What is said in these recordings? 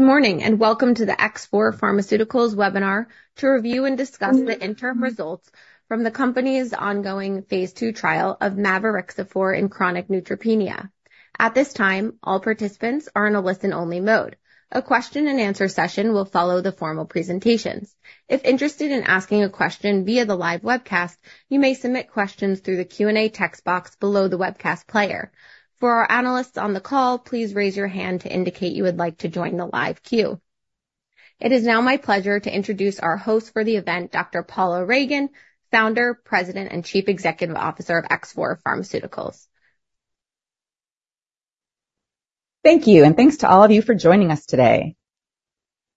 Good morning, and welcome to the X4 Pharmaceuticals webinar to review and discuss the interim results from the company's ongoing Phase 2 trial of mavorixafor in chronic neutropenia. At this time, all participants are in a listen-only mode. A question and answer session will follow the formal presentations. If interested in asking a question via the live webcast, you may submit questions through the Q&A text box below the webcast player. For our analysts on the call, please raise your hand to indicate you would like to join the live queue. It is now my pleasure to introduce our host for the event, Dr. Paula Ragan, Founder, President, and Chief Executive Officer of X4 Pharmaceuticals. Thank you, and thanks to all of you for joining us today.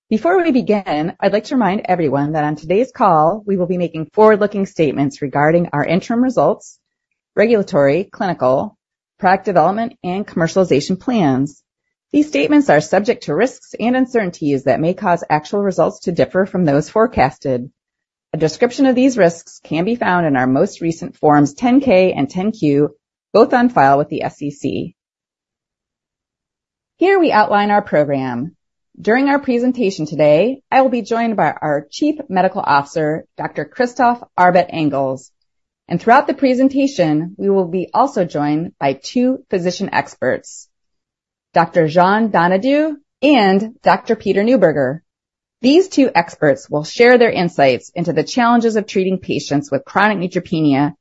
Before we begin, I'd like to remind everyone that on today's call, we will be making forward-looking statements regarding our interim results, regulatory, clinical, product development, and commercialization plans. These statements are subject to risks and uncertainties that may cause actual results to differ from those forecasted. A description of these risks can be found in our most recent Form 10-K and Form 10-Q, both on file with the SEC. Here we outline our program. During our presentation today, I will be joined by our Chief Medical Officer, Dr. Christophe Arbet-Engels, and throughout the presentation, we will be also joined by two physician experts, Dr. Jean Donadieu and Dr. Peter Newburger. These two experts will share their insights into the challenges of treating patients with chronic neutropenia,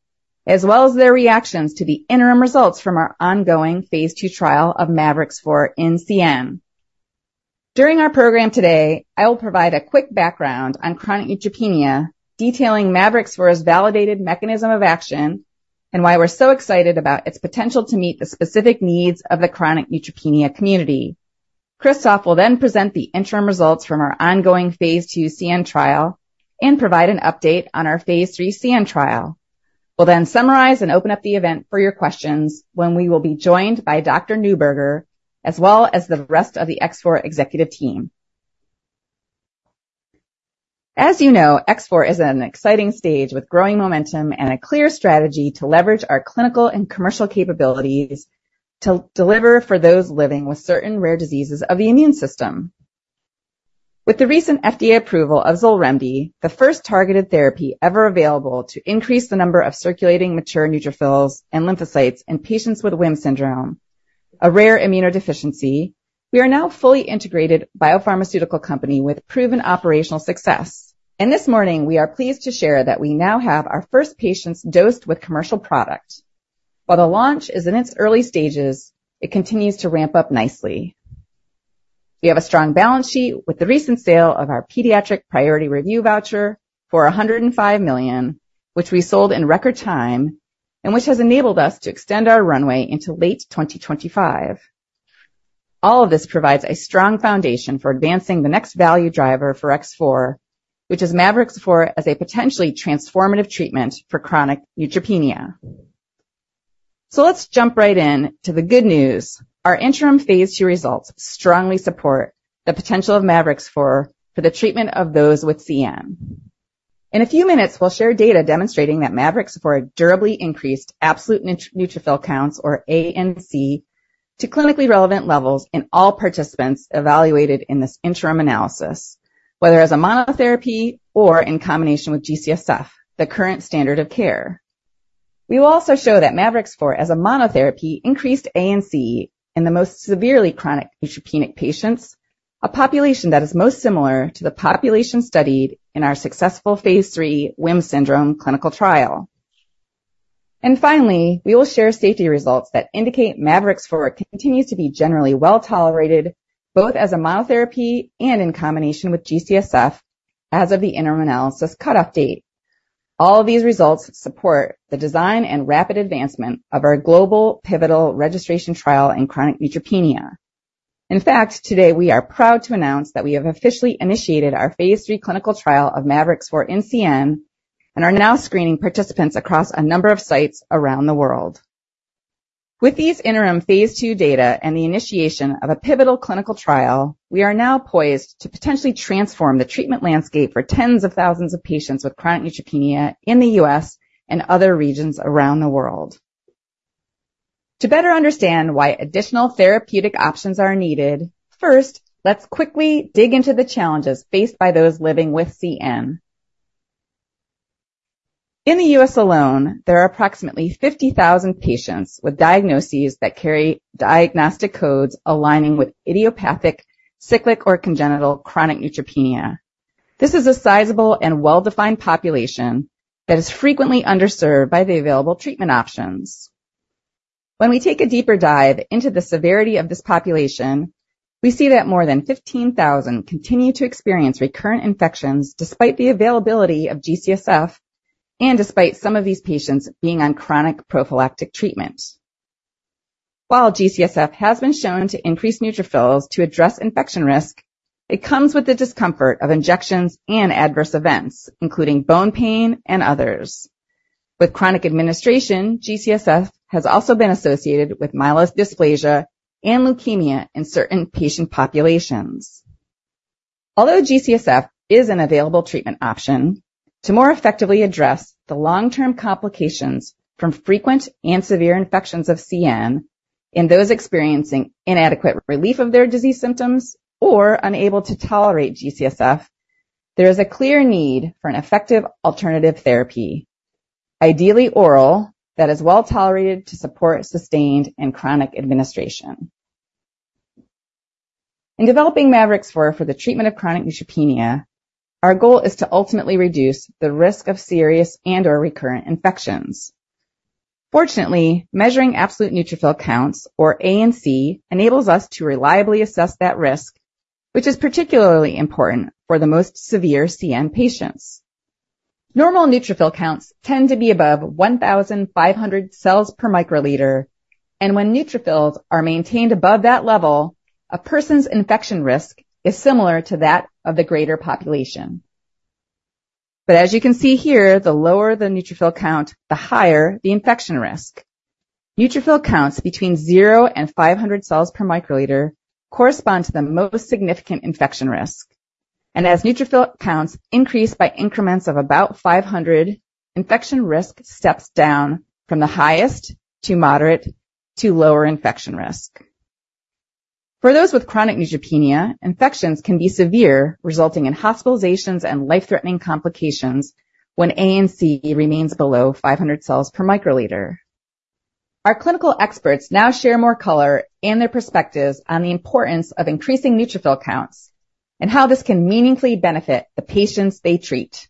as well as their reactions to the interim results from our ongoing Phase 2 trial of mavorixafor in CN. During our program today, I will provide a quick background on chronic neutropenia, detailing mavorixafor's validated mechanism of action and why we're so excited about its potential to meet the specific needs of the chronic neutropenia community. Christophe will then present the interim results from our ongoing Phase 2 CN trial and provide an update on our Phase 3 CN trial. We'll then summarize and open up the event for your questions when we will be joined by Dr. Newburger, as well as the rest of the X4 executive team. As you know, X4 is at an exciting stage with growing momentum and a clear strategy to leverage our clinical and commercial capabilities to deliver for those living with certain rare diseases of the immune system. With the recent FDA approval of XOLREMDI, the first targeted therapy ever available to increase the number of circulating mature neutrophils and lymphocytes in patients with WHIM syndrome, a rare immunodeficiency, we are now a fully integrated biopharmaceutical company with proven operational success. This morning, we are pleased to share that we now have our first patients dosed with commercial product. While the launch is in its early stages, it continues to ramp up nicely. We have a strong balance sheet with the recent sale of our pediatric Priority Review Voucher for $105 million, which we sold in record time and which has enabled us to extend our runway into late 2025. All of this provides a strong foundation for advancing the next value driver for X4, which is mavorixafor, as a potentially transformative treatment for chronic neutropenia. Let's jump right in to the good news. Our interim Phase 2 results strongly support the potential of mavorixafor for the treatment of those with CN. In a few minutes, we'll share data demonstrating that mavorixafor durably increased absolute neutrophil counts, or ANC, to clinically relevant levels in all participants evaluated in this interim analysis, whether as a monotherapy or in combination with G-CSF, the current standard of care. We will also show that mavorixafor, as a monotherapy, increased ANC in the most severely chronic neutropenic patients, a population that is most similar to the population studied in our successful Phase 3 WHIM syndrome clinical trial. Finally, we will share safety results that indicate mavorixafor continues to be generally well-tolerated, both as a monotherapy and in combination with G-CSF, as of the interim analysis cut-off date. All of these results support the design and rapid advancement of our global pivotal registration trial in chronic neutropenia. In fact, today we are proud to announce that we have officially initiated our Phase 3 clinical trial of mavorixafor in CN and are now screening participants across a number of sites around the world. With these interim Phase 2 data and the initiation of a pivotal clinical trial, we are now poised to potentially transform the treatment landscape for tens of thousands of patients with chronic neutropenia in the U.S. and other regions around the world. To better understand why additional therapeutic options are needed, first, let's quickly dig into the challenges faced by those living with CN. In the U.S. alone, there are approximately 50,000 patients with diagnoses that carry diagnostic codes aligning with idiopathic, cyclic, or congenital chronic neutropenia. This is a sizable and well-defined population that is frequently underserved by the available treatment options. When we take a deeper dive into the severity of this population, we see that more than 15,000 continue to experience recurrent infections, despite the availability of G-CSF and despite some of these patients being on chronic prophylactic treatment. While G-CSF has been shown to increase neutrophils to address infection risk, it comes with the discomfort of injections and adverse events, including bone pain and others. With chronic administration, G-CSF has also been associated with myelodysplasia and leukemia in certain patient populations... Although G-CSF is an available treatment option, to more effectively address the long-term complications from frequent and severe infections of CN, in those experiencing inadequate relief of their disease symptoms or unable to tolerate G-CSF, there is a clear need for an effective alternative therapy, ideally oral, that is well-tolerated to support sustained and chronic administration. In developing mavorixafor for the treatment of chronic neutropenia, our goal is to ultimately reduce the risk of serious and/or recurrent infections. Fortunately, measuring absolute neutrophil counts, or ANC, enables us to reliably assess that risk, which is particularly important for the most severe CN patients. Normal neutrophil counts tend to be above 1,500 cells per microliter, and when neutrophils are maintained above that level, a person's infection risk is similar to that of the greater population. But as you can see here, the lower the neutrophil count, the higher the infection risk. Neutrophil counts between 0 and 500 cells per microliter correspond to the most significant infection risk, and as neutrophil counts increase by increments of about 500, infection risk steps down from the highest to moderate to lower infection risk. For those with chronic neutropenia, infections can be severe, resulting in hospitalizations and life-threatening complications when ANC remains below 500 cells per microliter. Our clinical experts now share more color and their perspectives on the importance of increasing neutrophil counts and how this can meaningfully benefit the patients they treat.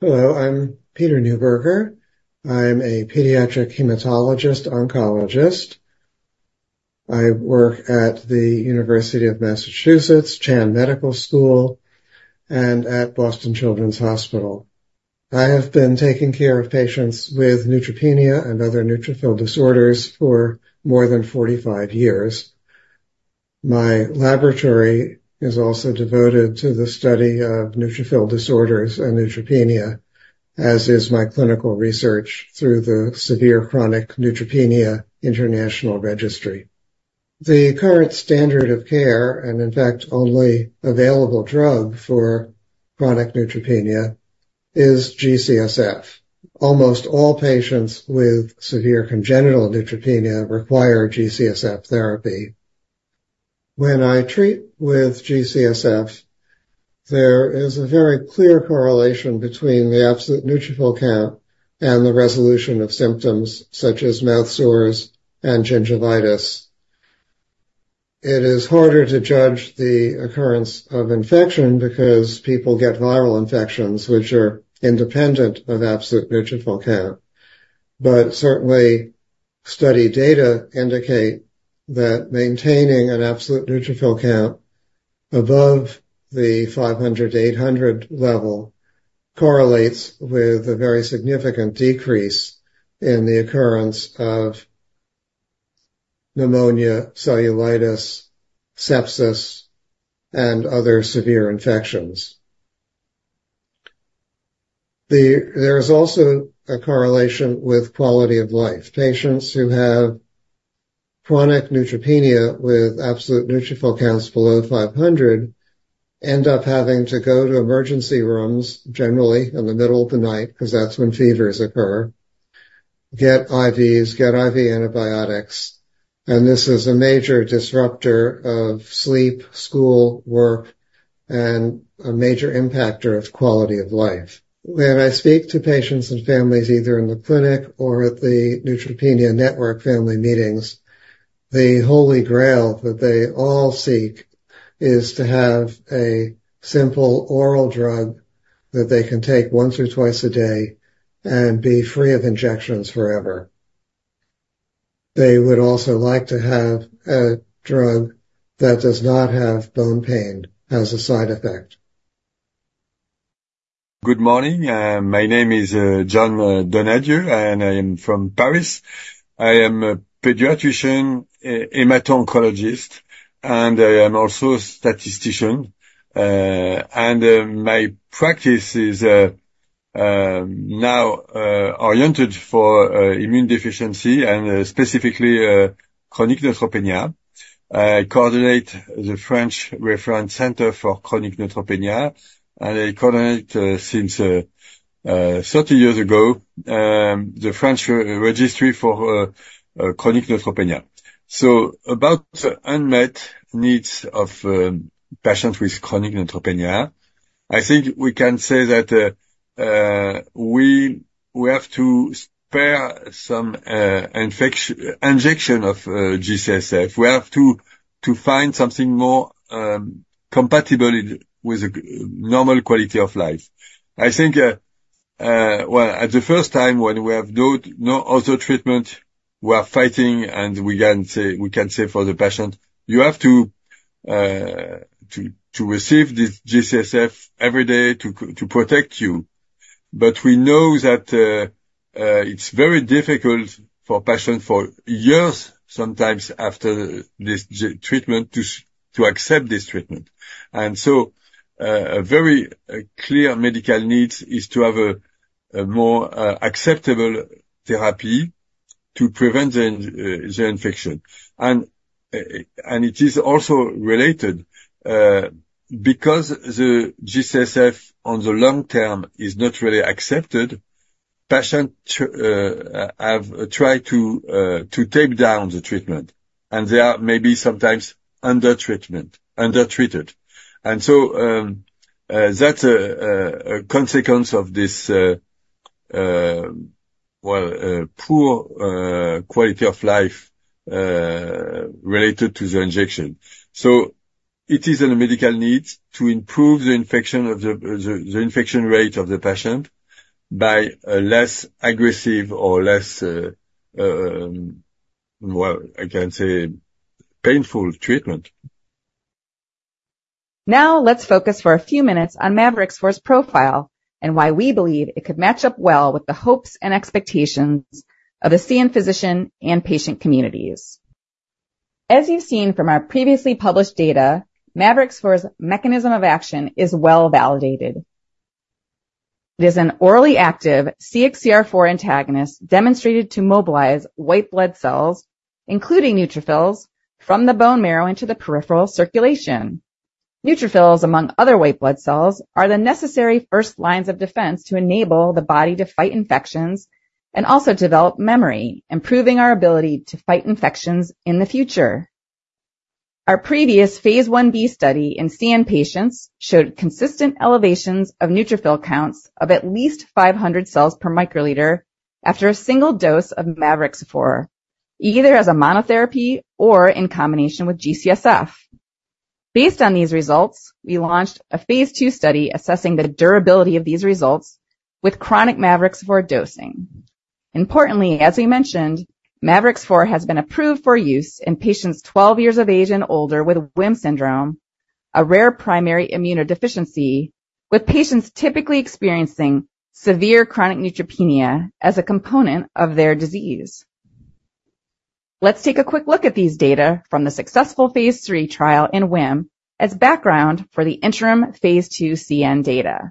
Hello, I'm Peter Newburger. I'm a pediatric hematologist-oncologist. I work at the University of Massachusetts Chan Medical School and at Boston Children's Hospital. I have been taking care of patients with neutropenia and other neutrophil disorders for more than 45 years. My laboratory is also devoted to the study of neutrophil disorders and neutropenia, as is my clinical research through the Severe Chronic Neutropenia International Registry. The current standard of care, and in fact, only available drug for chronic neutropenia is G-CSF. Almost all patients with severe congenital neutropenia require G-CSF therapy. When I treat with G-CSF, there is a very clear correlation between the absolute neutrophil count and the resolution of symptoms such as mouth sores and gingivitis. It is harder to judge the occurrence of infection because people get viral infections which are independent of absolute neutrophil count. But certainly, study data indicate that maintaining an absolute neutrophil count above the 500-800 level correlates with a very significant decrease in the occurrence of pneumonia, cellulitis, sepsis, and other severe infections. There is also a correlation with quality of life. Patients who have chronic neutropenia with absolute neutrophil counts below 500 end up having to go to emergency rooms, generally in the middle of the night, because that's when fevers occur, get IVs, get IV antibiotics, and this is a major disruptor of sleep, school, work, and a major impacter of quality of life. When I speak to patients and families, either in the clinic or at the Neutropenia Network family meetings, the holy grail that they all seek is to have a simple oral drug that they can take once or twice a day and be free of injections forever. They would also like to have a drug that does not have bone pain as a side effect. Good morning. My name is Jean Donadieu, and I am from Paris. I am a pediatrician, a hematologist, and I am also a statistician. My practice is now oriented for immune deficiency and specifically chronic neutropenia. I coordinate the French Reference Center for Chronic Neutropenia, and I coordinate since 30 years ago the French Registry for Chronic Neutropenia. So about the unmet needs of patients with chronic neutropenia, I think we can say that we have to spare some injection of G-CSF. We have to find something more compatible with a normal quality of life. I think, well, at the first time when we have no other treatment, we are fighting and we can say for the patient, "You have to receive this G-CSF every day to protect you." But we know that, it's very difficult for patients for years, sometimes after this G-CSF treatment, to accept this treatment. And so, a very clear medical needs is to have a more acceptable therapy.... to prevent the infection. And it is also related, because the G-CSF on the long term is not really accepted, patients have tried to take down the treatment, and they are maybe sometimes under treatment, undertreated. And so, that's a consequence of this, well, poor quality of life related to the injection. So it is a medical need to improve the infection rate of the patient by a less aggressive or less, well, I can say, painful treatment. Now, let's focus for a few minutes on mavorixafor's profile and why we believe it could match up well with the hopes and expectations of the CN physician and patient communities. As you've seen from our previously published data, mavorixafor's mechanism of action is well validated. It is an orally active CXCR4 antagonist, demonstrated to mobilize white blood cells, including neutrophils, from the bone marrow into the peripheral circulation. Neutrophils, among other white blood cells, are the necessary first lines of defense to enable the body to fight infections and also develop memory, improving our ability to fight infections in the future. Our previous Phase 1b study in CN patients showed consistent elevations of neutrophil counts of at least 500 cells per microliter after a single dose of mavorixafor, either as a monotherapy or in combination with G-CSF. Based on these results, we launched a Phase 2 study assessing the durability of these results with chronic mavorixafor dosing. Importantly, as we mentioned, mavorixafor has been approved for use in patients 12 years of age and older with WHIM syndrome, a rare primary immunodeficiency, with patients typically experiencing severe chronic neutropenia as a component of their disease. Let's take a quick look at these data from the successful Phase 3 trial in WHIM as background for the interim Phase 2 CN data.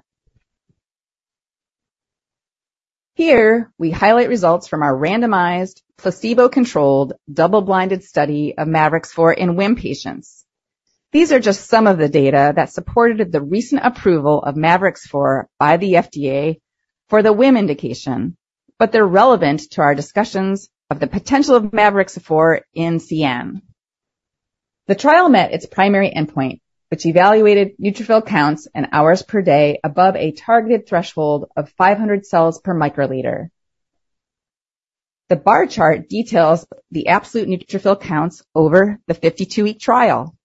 Here, we highlight results from our randomized, placebo-controlled, double-blinded study of mavorixafor in WHIM patients. These are just some of the data that supported the recent approval of mavorixafor by the FDA for the WHIM indication, but they're relevant to our discussions of the potential of mavorixafor in CN. The trial met its primary endpoint, which evaluated neutrophil counts and hours per day above a targeted threshold of 500 cells per microliter. The bar chart details the absolute neutrophil counts over the 52-week trial.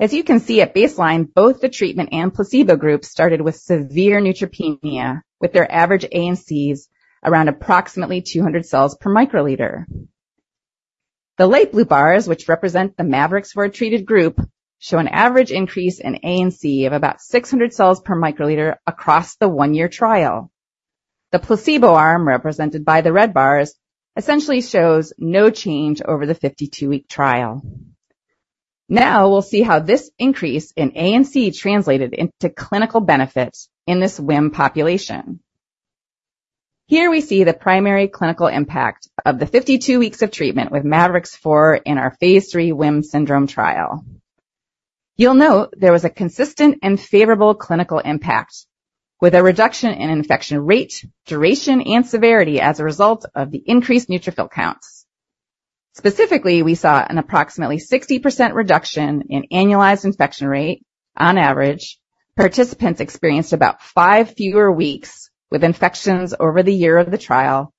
As you can see at baseline, both the treatment and placebo groups started with severe neutropenia, with their average ANCs around approximately 200 cells per microliter. The light blue bars, which represent the mavorixafor-treated group, show an average increase in ANC of about 600 cells per microliter across the 1-year trial. The placebo arm, represented by the red bars, essentially shows no change over the 52-week trial. Now, we'll see how this increase in ANC translated into clinical benefits in this WHIM population. Here we see the primary clinical impact of the 52 weeks of treatment with mavorixafor in our Phase 3 WHIM syndrome trial. You'll note there was a consistent and favorable clinical impact, with a reduction in infection rate, duration, and severity as a result of the increased neutrophil counts. Specifically, we saw an approximately 60% reduction in annualized infection rate on average. Participants experienced about five fewer weeks with infections over the year of the trial,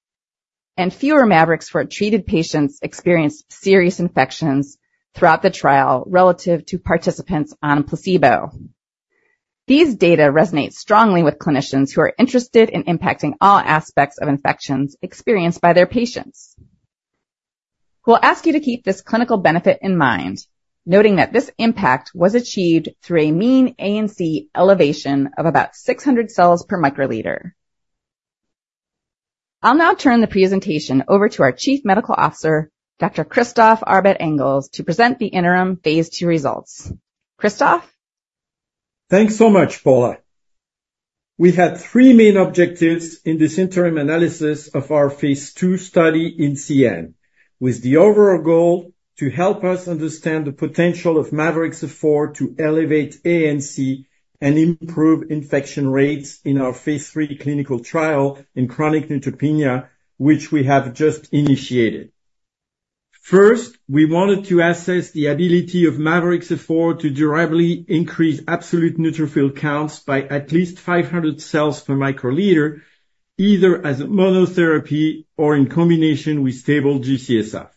and fewer mavorixafor-treated patients experienced serious infections throughout the trial relative to participants on placebo. These data resonate strongly with clinicians who are interested in impacting all aspects of infections experienced by their patients. We'll ask you to keep this clinical benefit in mind, noting that this impact was achieved through a mean ANC elevation of about 600 cells per microliter. I'll now turn the presentation over to our Chief Medical Officer, Dr. Christophe Arbet-Engels, to present the interim Phase 2 results. Christophe? Thanks so much, Paula. We had three main objectives in this interim analysis of our Phase 2 study in CN, with the overall goal to help us understand the potential of mavorixafor to elevate ANC and improve infection rates in our Phase 3 clinical trial in chronic neutropenia, which we have just initiated. First, we wanted to assess the ability of mavorixafor to durably increase absolute neutrophil counts by at least 500 cells per microliter, either as a monotherapy or in combination with stable G-CSF.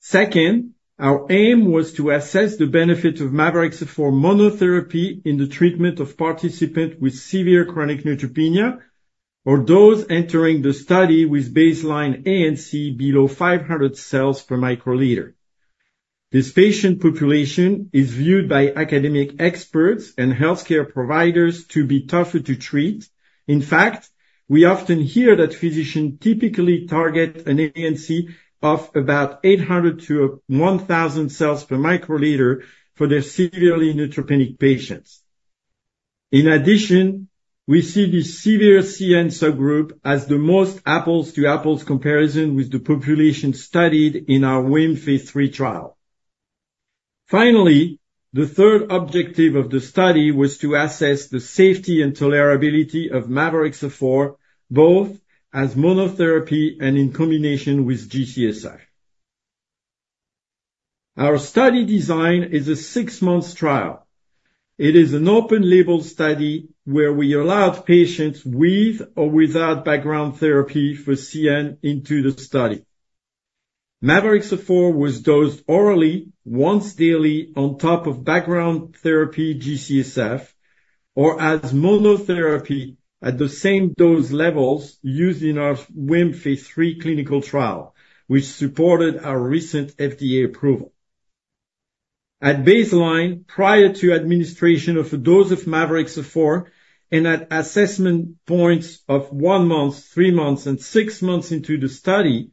Second, our aim was to assess the benefit of mavorixafor monotherapy in the treatment of participants with severe chronic neutropenia or those entering the study with baseline ANC below 500 cells per microliter. This patient population is viewed by academic experts and healthcare providers to be tougher to treat. In fact, we often hear that physicians typically target an ANC of about 800-1,000 cells per microliter for their severely neutropenic patients. In addition, we see the severe CN subgroup as the most apples-to-apples comparison with the population studied in our WHIM Phase 3 trial. Finally, the third objective of the study was to assess the safety and tolerability of mavorixafor, both as monotherapy and in combination with G-CSF. Our study design is a six-month trial. It is an open-label study where we allowed patients with or without background therapy for CN into the study. Mavorixafor was dosed orally once daily on top of background therapy, G-CSF, or as monotherapy at the same dose levels used in our WHIM Phase 3 clinical trial, which supported our recent FDA approval. At baseline, prior to administration of a dose of mavorixafor and at assessment points of 1 month, 3 months, and 6 months into the study,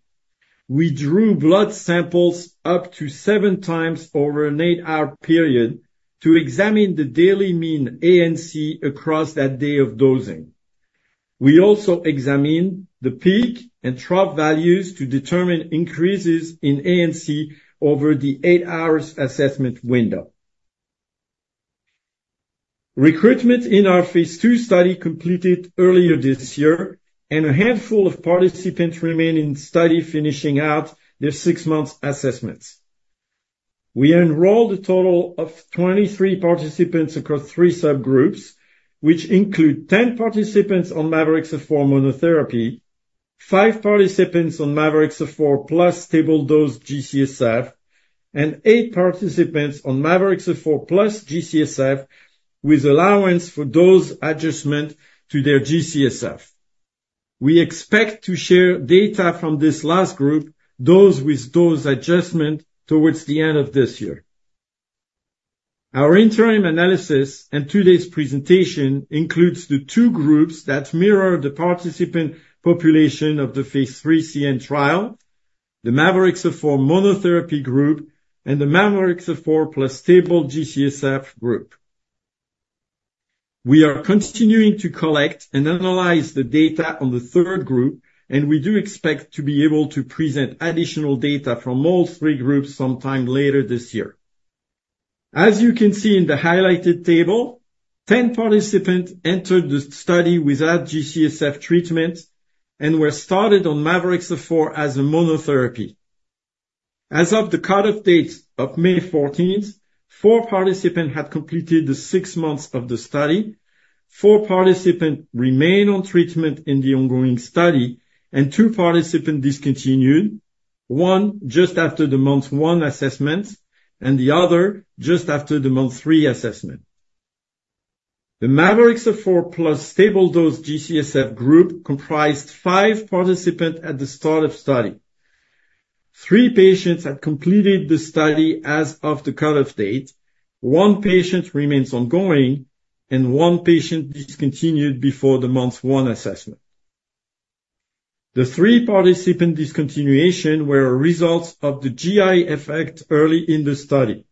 we drew blood samples up to 7 times over an 8-hour period to examine the daily mean ANC across that day of dosing. We also examined the peak and trough values to determine increases in ANC over the 8-hour assessment window. Recruitment in our Phase 2 study completed earlier this year, and a handful of participants remain in study, finishing out their 6-month assessments. We enrolled a total of 23 participants across three subgroups, which include 10 participants on mavorixafor monotherapy, 5 participants on mavorixafor plus stable dose G-CSF, and 8 participants on mavorixafor plus G-CSF, with allowance for dose adjustment to their G-CSF. We expect to share data from this last group, those with dose adjustment, towards the end of this year. Our interim analysis and today's presentation includes the two groups that mirror the participant population of the Phase 3 CN trial, the mavorixafor monotherapy group, and the mavorixafor plus stable G-CSF group. We are continuing to collect and analyze the data on the third group, and we do expect to be able to present additional data from all three groups sometime later this year. As you can see in the highlighted table, 10 participants entered the study without G-CSF treatment and were started on mavorixafor as a monotherapy. As of the cut-off date of May fourteenth, four participants had completed the six months of the study, four participants remain on treatment in the ongoing study, and two participants discontinued, one just after the month one assessment and the other just after the month three assessment. The mavorixafor plus stable-dose G-CSF group comprised five participants at the start of study. 3 patients have completed the study as of the cut-off date. 1 patient remains ongoing, and 1 patient discontinued before the month 1 assessment. The three participant discontinuations were a result of the GI effect early in the study.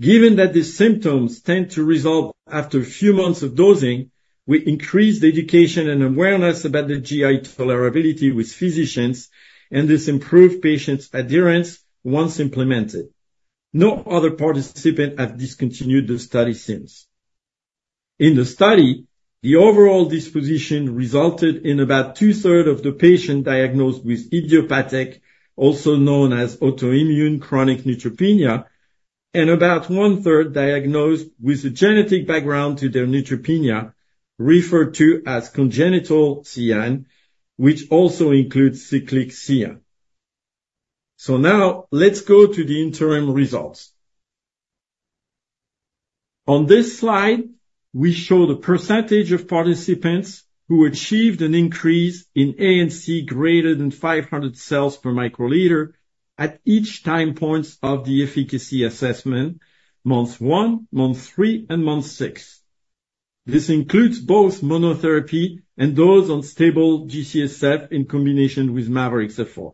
Given that the symptoms tend to resolve after a few months of dosing, we increased education and awareness about the GI tolerability with physicians, and this improved patient adherence once implemented. No other participant has discontinued the study since. In the study, the overall disposition resulted in about two-thirds of the patients diagnosed with idiopathic, also known as autoimmune chronic neutropenia, and about one-third diagnosed with a genetic background to their neutropenia, referred to as congenital CN, which also includes cyclic CN. So now let's go to the interim results. On this slide, we show the percentage of participants who achieved an increase in ANC greater than 500 cells per microliter at each time points of the efficacy assessment: month one, month three, and month six. This includes both monotherapy and those on stable G-CSF in combination with mavorixafor.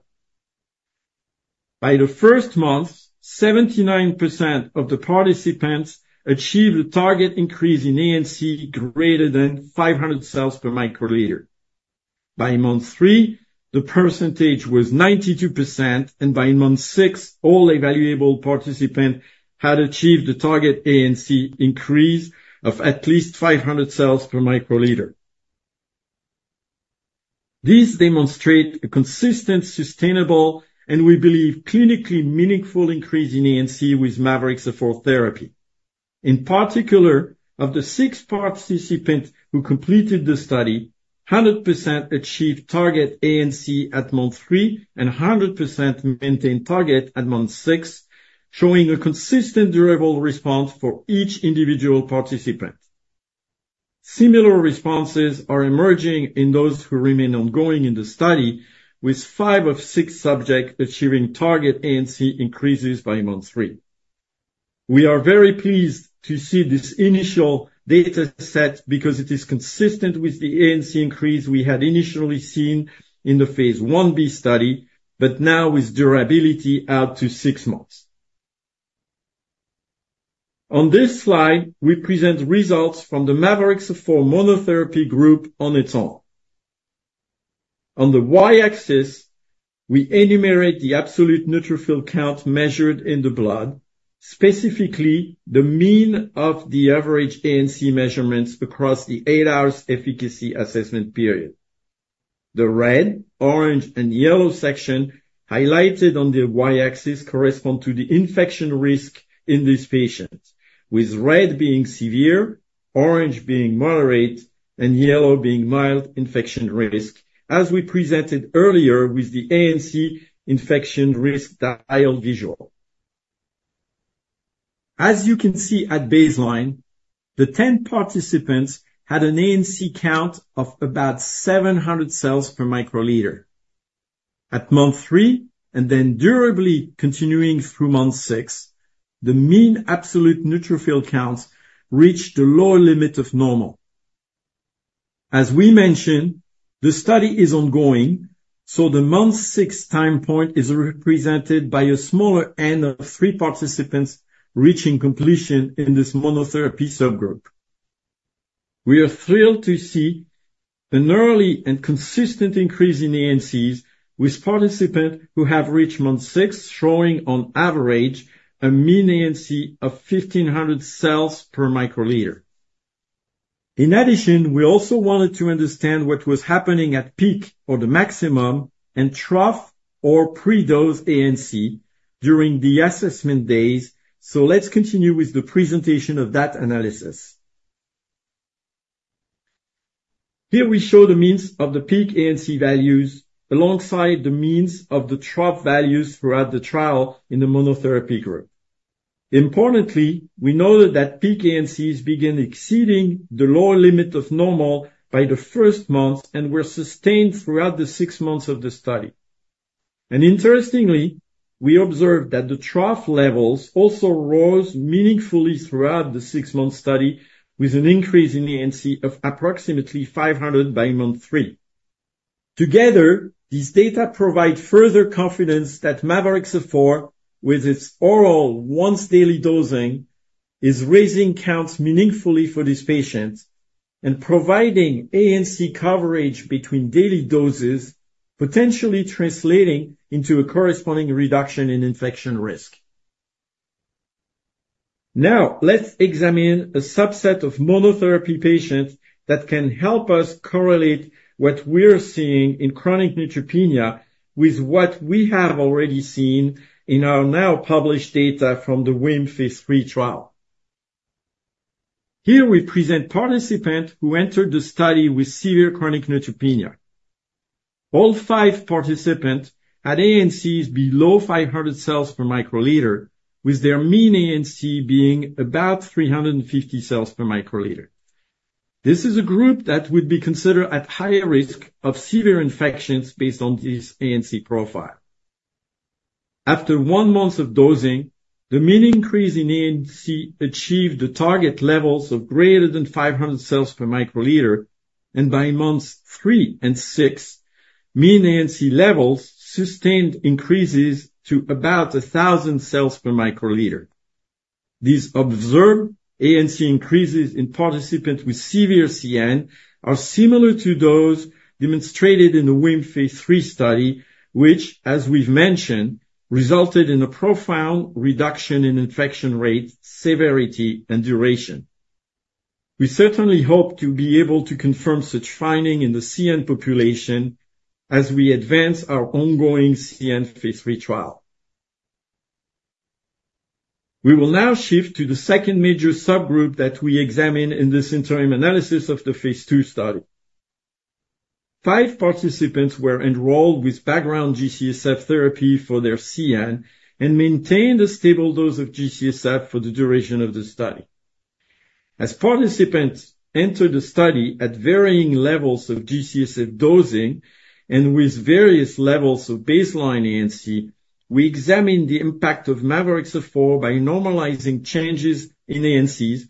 By the first month, 79% of the participants achieved a target increase in ANC greater than 500 cells per microliter. By month three, the percentage was 92%, and by month six, all evaluable participants had achieved the target ANC increase of at least 500 cells per microliter. This demonstrate a consistent, sustainable, and we believe, clinically meaningful increase in ANC with mavorixafor therapy. In particular, of the 6 participants who completed the study, 100% achieved target ANC at month 3, and 100% maintained target at month 6, showing a consistent, durable response for each individual participant. Similar responses are emerging in those who remain ongoing in the study, with 5 of 6 subjects achieving target ANC increases by month 3. We are very pleased to see this initial data set because it is consistent with the ANC increase we had initially seen in the Phase 1b study... but now with durability out to 6 months. On this slide, we present results from the mavorixafor monotherapy group on its own. On the y-axis, we enumerate the absolute neutrophil count measured in the blood, specifically the mean of the average ANC measurements across the 8-hour efficacy assessment period. The red, orange, and yellow section highlighted on the y-axis correspond to the infection risk in these patients, with red being severe, orange being moderate, and yellow being mild infection risk, as we presented earlier with the ANC infection risk dial visual. As you can see at baseline, the 10 participants had an ANC count of about 700 cells per microliter. At month 3, and then durably continuing through month 6, the mean absolute neutrophil count reached the lower limit of normal. As we mentioned, the study is ongoing, so the month 6 time point is represented by a smaller N of 3 participants reaching completion in this monotherapy subgroup. We are thrilled to see an early and consistent increase in ANCs, with participants who have reached month 6 showing on average a mean ANC of 1,500 cells per microliter. In addition, we also wanted to understand what was happening at peak or the maximum, and trough or pre-dose ANC during the assessment days. So let's continue with the presentation of that analysis. Here we show the means of the peak ANC values alongside the means of the trough values throughout the trial in the monotherapy group. Importantly, we noted that peak ANCs began exceeding the lower limit of normal by the first month and were sustained throughout the six months of the study. And interestingly, we observed that the trough levels also rose meaningfully throughout the six-month study, with an increase in ANC of approximately 500 by month three. Together, these data provide further confidence that mavorixafor, with its oral once daily dosing, is raising counts meaningfully for these patients and providing ANC coverage between daily doses, potentially translating into a corresponding reduction in infection risk. Now, let's examine a subset of monotherapy patients that can help us correlate what we're seeing in chronic neutropenia with what we have already seen in our now published data from the WHIM Phase 3 trial. Here we present participants who entered the study with severe chronic neutropenia. All five participants had ANCs below 500 cells per microliter, with their mean ANC being about 350 cells per microliter. This is a group that would be considered at higher risk of severe infections based on this ANC profile. After one month of dosing, the mean increase in ANC achieved the target levels of greater than 500 cells per microliter, and by months three and six, mean ANC levels sustained increases to about 1,000 cells per microliter. These observed ANC increases in participants with severe CN are similar to those demonstrated in the WHIM Phase 3 study, which, as we've mentioned, resulted in a profound reduction in infection rate, severity, and duration. We certainly hope to be able to confirm such finding in the CN population as we advance our ongoing CN Phase 3 trial. We will now shift to the second major subgroup that we examined in this interim analysis of the Phase 2 study. Five participants were enrolled with background G-CSF therapy for their CN and maintained a stable dose of G-CSF for the duration of the study. As participants entered the study at varying levels of G-CSF dosing and with various levels of baseline ANC, we examined the impact of mavorixafor by normalizing changes in ANCs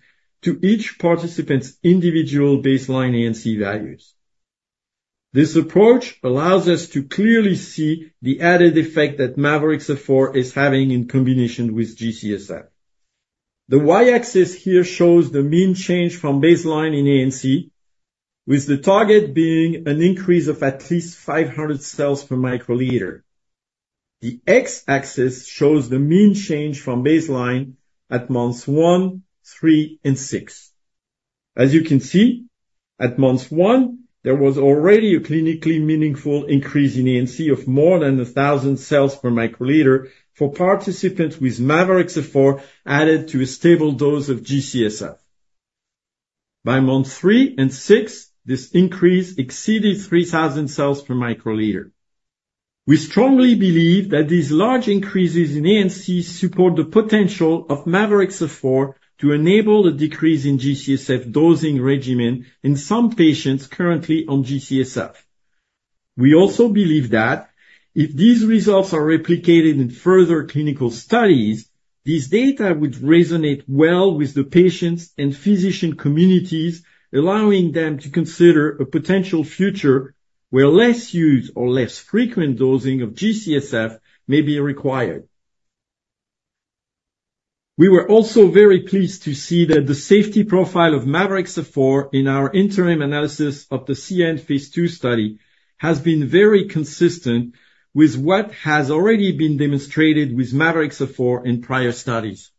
to each participant's individual baseline ANC values. This approach allows us to clearly see the added effect that mavorixafor is having in combination with G-CSF. The y-axis here shows the mean change from baseline in ANC, with the target being an increase of at least 500 cells per microliter. The x-axis shows the mean change from baseline at months one, three, and six. As you can see, at month one, there was already a clinically meaningful increase in ANC of more than 1,000 cells per microliter for participants with mavorixafor added to a stable dose of G-CSF. By month three and six, this increase exceeded 3,000 cells per microliter. We strongly believe that these large increases in ANC support the potential of mavorixafor to enable a decrease in G-CSF dosing regimen in some patients currently on G-CSF. We also believe that if these results are replicated in further clinical studies...... These data would resonate well with the patients and physician communities, allowing them to consider a potential future where less use or less frequent dosing of G-CSF may be required. We were also very pleased to see that the safety profile of mavorixafor in our interim analysis of the CN Phase 2 study has been very consistent with what has already been demonstrated with mavorixafor in prior studies.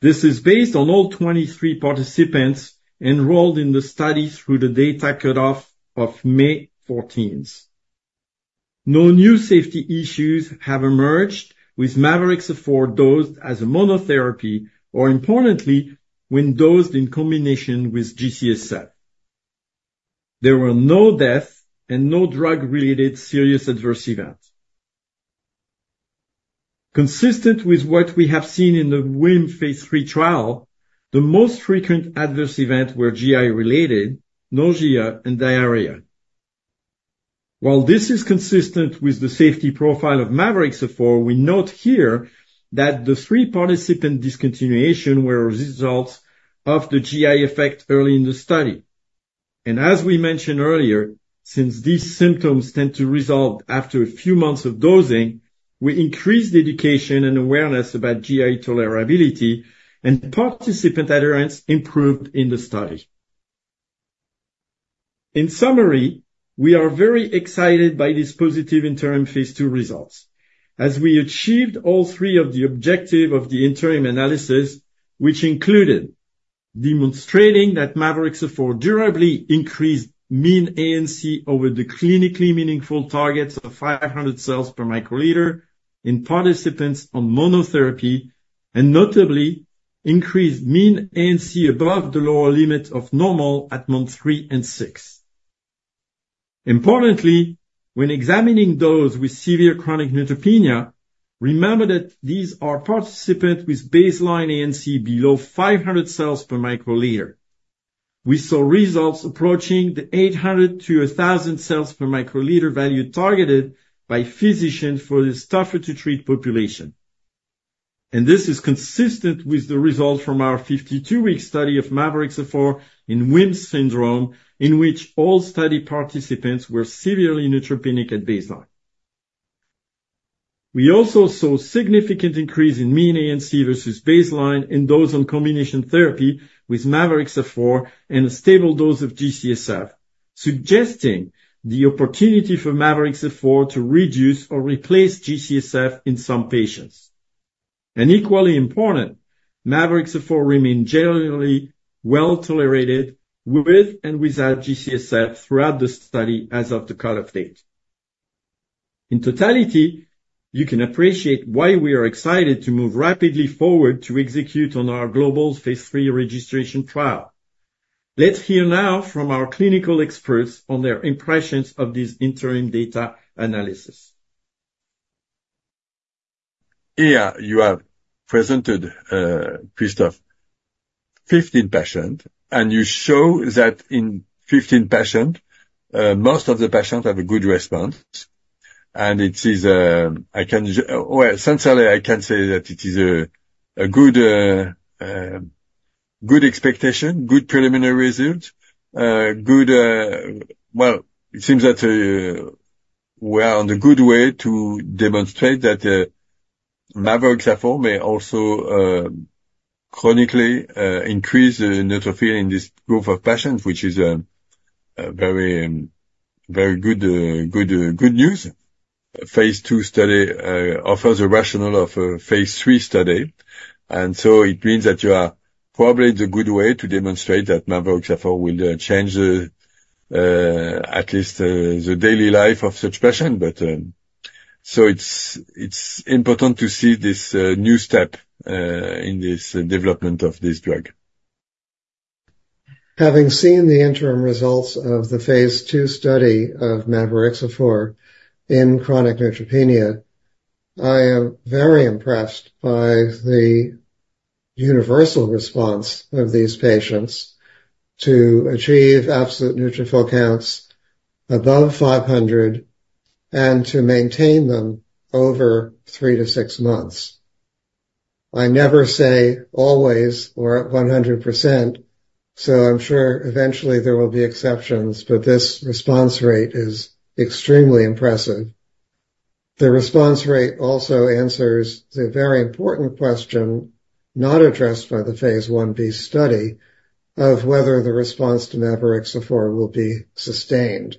This is based on all 23 participants enrolled in the study through the data cutoff of May fourteenth. No new safety issues have emerged with mavorixafor dosed as a monotherapy, or importantly, when dosed in combination with G-CSF. There were no deaths and no drug-related serious adverse events. Consistent with what we have seen in the WHIM Phase 3 trial, the most frequent adverse events were GI-related, nausea, and diarrhea. While this is consistent with the safety profile of mavorixafor, we note here that the 3 participant discontinuation were a result of the GI effect early in the study. And as we mentioned earlier, since these symptoms tend to resolve after a few months of dosing, we increased education and awareness about GI tolerability, and participant adherence improved in the study. In summary, we are very excited by this positive interim Phase 2 results. As we achieved all 3 of the objective of the interim analysis, which included demonstrating that mavorixafor durably increased mean ANC over the clinically meaningful targets of 500 cells per microliter in participants on monotherapy, and notably increased mean ANC above the lower limit of normal at month 3 and 6. Importantly, when examining those with severe chronic neutropenia, remember that these are participants with baseline ANC below 500 cells per microliter. We saw results approaching the 800-1,000 cells per microliter value targeted by physicians for this tougher to treat population. This is consistent with the results from our 52-week study of mavorixafor in WHIM syndrome, in which all study participants were severely neutropenic at baseline. We also saw significant increase in mean ANC versus baseline in those on combination therapy with mavorixafor and a stable dose of G-CSF, suggesting the opportunity for mavorixafor to reduce or replace G-CSF in some patients. Equally important, mavorixafor remain generally well tolerated with and without G-CSF throughout the study as of the cut-off date. In totality, you can appreciate why we are excited to move rapidly forward to execute on our global Phase 3 registration trial. Let's hear now from our clinical experts on their impressions of this interim data analysis. Here you have presented, Christophe, 15 patients, and you show that in 15 patients, most of the patients have a good response, and it is, I can... Well, essentially, I can say that it is a, a good, good expectation, good preliminary results. Good. Well, it seems that, we are on the good way to demonstrate that, mavorixafor may also, chronically, increase neutrophil in this group of patients, which is a, a very, very good, good, good news. Phase 2 study offers a rationale of a Phase 3 study, and so it means that you are probably the good way to demonstrate that mavorixafor will, change the, at least the, the daily life of such patient. But, so it's, it's important to see this, new step, in this development of this drug. Having seen the interim results of the Phase 2 study of mavorixafor in chronic neutropenia, I am very impressed by the universal response of these patients to achieve absolute neutrophil counts above 500 and to maintain them over 3-6 months. I never say always or at 100%, so I'm sure eventually there will be exceptions, but this response rate is extremely impressive. The response rate also answers the very important question, not addressed by the Phase 1b study, of whether the response to mavorixafor will be sustained.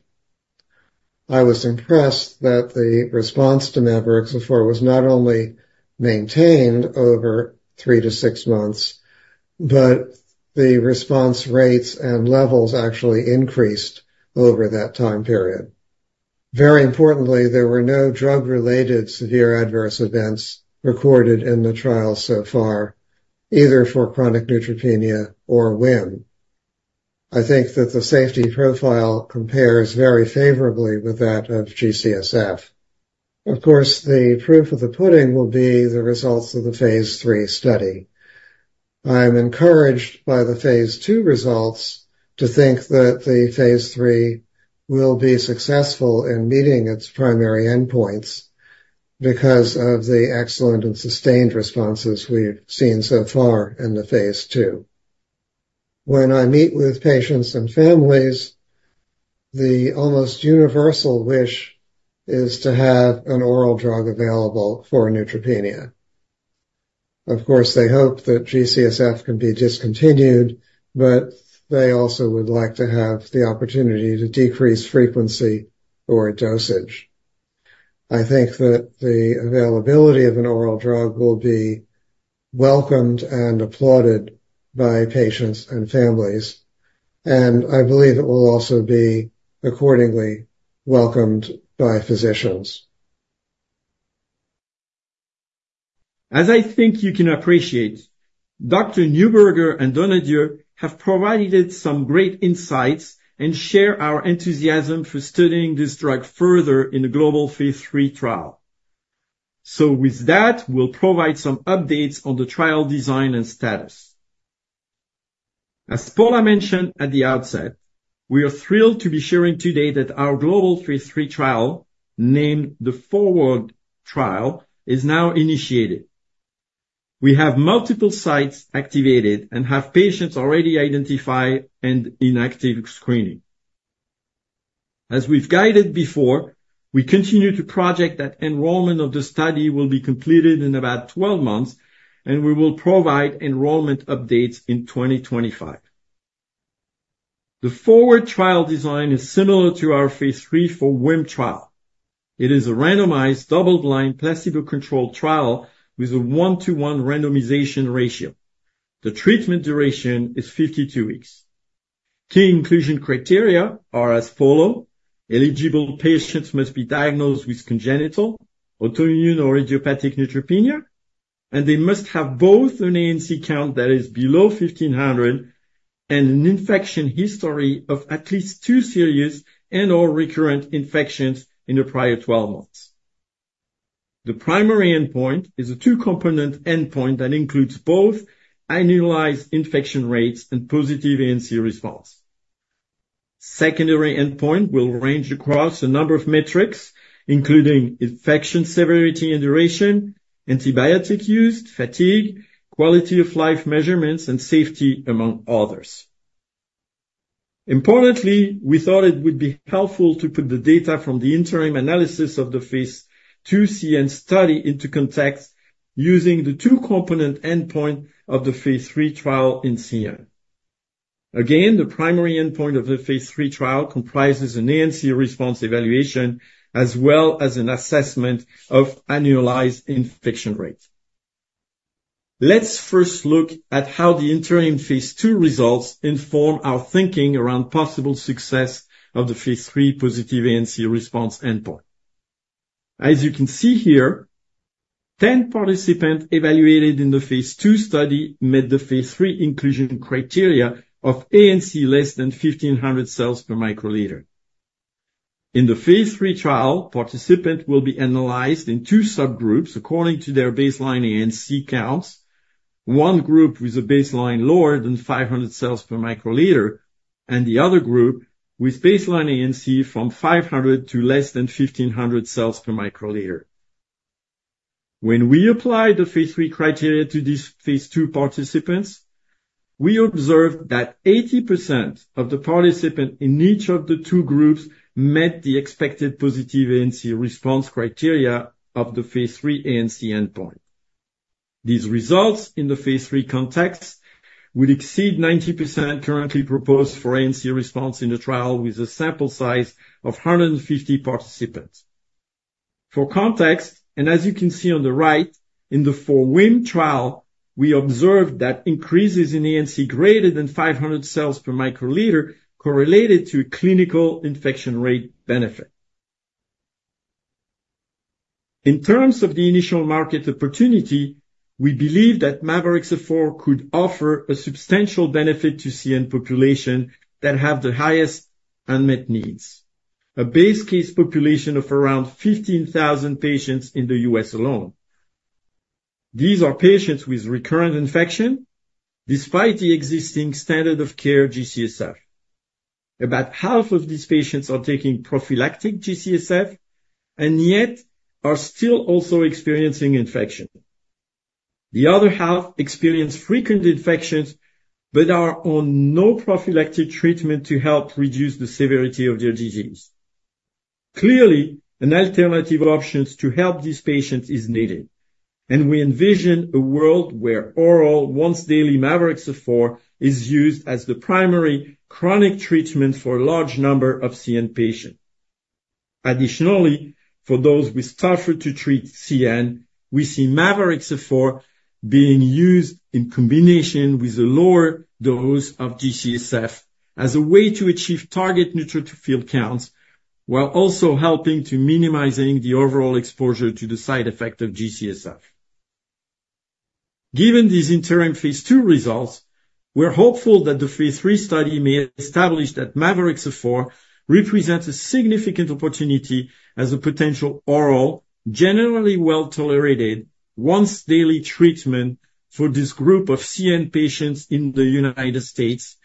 I was impressed that the response to mavorixafor was not only maintained over 3-6 months, but the response rates and levels actually increased over that time period. Very importantly, there were no drug-related severe adverse events recorded in the trial so far, either for chronic neutropenia or WHIM. I think that the safety profile compares very favorably with that of G-CSF. Of course, the proof of the pudding will be the results of the Phase 3 study. I am encouraged by the Phase 2 results to think that the Phase 3 will be successful in meeting its primary endpoints because of the excellent and sustained responses we've seen so far in the Phase 2. When I meet with patients and families, the almost universal wish is to have an oral drug available for neutropenia. Of course, they hope that G-CSF can be discontinued, but they also would like to have the opportunity to decrease frequency or dosage. I think that the availability of an oral drug will be welcomed and applauded by patients and families, and I believe it will also be accordingly welcomed by physicians. As I think you can appreciate, Dr. Newburger and Donadieu have provided some great insights and share our enthusiasm for studying this drug further in the global Phase 3 trial. With that, we'll provide some updates on the trial design and status. As Paula mentioned at the outset, we are thrilled to be sharing today that our global Phase 3 trial, named the FORWARD trial, is now initiated. We have multiple sites activated and have patients already identified and in active screening. As we've guided before, we continue to project that enrollment of the study will be completed in about 12 months, and we will provide enrollment updates in 2025. The FORWARD trial design is similar to our Phase 3 for WHIM trial. It is a randomized, double-blind, placebo-controlled trial with a 1-to-1 randomization ratio. The treatment duration is 52 weeks. Key inclusion criteria are as follows: eligible patients must be diagnosed with congenital, autoimmune, or idiopathic neutropenia, and they must have both an ANC count that is below 1,500 and an infection history of at least 2 serious and/or recurrent infections in the prior 12 months. The primary endpoint is a two-component endpoint that includes both annualized infection rates and positive ANC response. Secondary endpoint will range across a number of metrics, including infection severity and duration, antibiotic use, fatigue, quality of life measurements, and safety, among others. Importantly, we thought it would be helpful to put the data from the interim analysis of the Phase 2 CN study into context using the two-component endpoint of the Phase 3 trial in CN. Again, the primary endpoint of the Phase 3 trial comprises an ANC response evaluation as well as an assessment of annualized infection rate. Let's first look at how the interim Phase 2 results inform our thinking around possible success of the Phase 3 positive ANC response endpoint. As you can see here, 10 participants evaluated in the Phase 2 study met the Phase 3 inclusion criteria of ANC less than 1,500 cells per microliter. In the Phase 3 trial, participants will be analyzed in two subgroups according to their baseline ANC counts. One group with a baseline lower than 500 cells per microliter, and the other group with baseline ANC from 500 to less than 1,500 cells per microliter. When we apply the Phase 3 criteria to these Phase 2 participants, we observed that 80% of the participants in each of the two groups met the expected positive ANC response criteria of the Phase 3 ANC endpoint. These results in the Phase 3 context will exceed 90% currently proposed for ANC response in the trial, with a sample size of 150 participants. For context, and as you can see on the right, in the FORWARD trial, we observed that increases in ANC greater than 500 cells per microliter correlated to clinical infection rate benefit. In terms of the initial market opportunity, we believe that mavorixafor could offer a substantial benefit to CN population that have the highest unmet needs, a base case population of around 15,000 patients in the U.S. alone. These are patients with recurrent infection, despite the existing standard of care, G-CSF. About half of these patients are taking prophylactic G-CSF and yet are still also experiencing infection. The other half experience frequent infections, but are on no prophylactic treatment to help reduce the severity of their disease. Clearly, an alternative options to help these patients is needed, and we envision a world where oral once-daily mavorixafor is used as the primary chronic treatment for a large number of CN patients. Additionally, for those with tougher to treat CN, we see mavorixafor being used in combination with a lower dose of G-CSF as a way to achieve target neutrophil counts, while also helping to minimizing the overall exposure to the side effect of G-CSF. Given these interim Phase 2 results-... We're hopeful that the Phase 3 study may establish that mavorixafor represents a significant opportunity as a potential oral, generally well-tolerated, once daily treatment for this group of CN patients in the United States,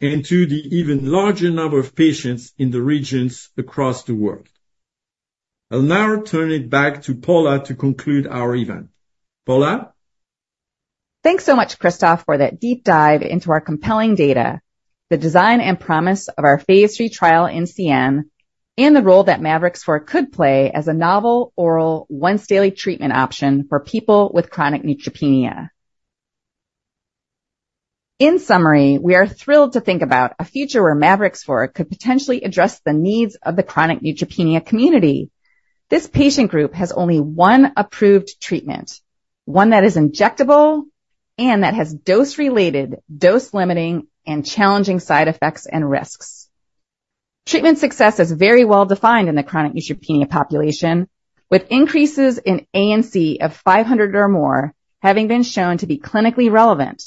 and to the even larger number of patients in the regions across the world. I'll now turn it back to Paula to conclude our event. Paula? Thanks so much, Christophe, for that deep dive into our compelling data, the design and promise of our Phase 3 trial in CN, and the role that mavorixafor could play as a novel oral once daily treatment option for people with chronic neutropenia. In summary, we are thrilled to think about a future where mavorixafor could potentially address the needs of the chronic neutropenia community. This patient group has only one approved treatment, one that is injectable and that has dose-related, dose-limiting, and challenging side effects and risks. Treatment success is very well defined in the chronic neutropenia population, with increases in ANC of 500 or more, having been shown to be clinically relevant.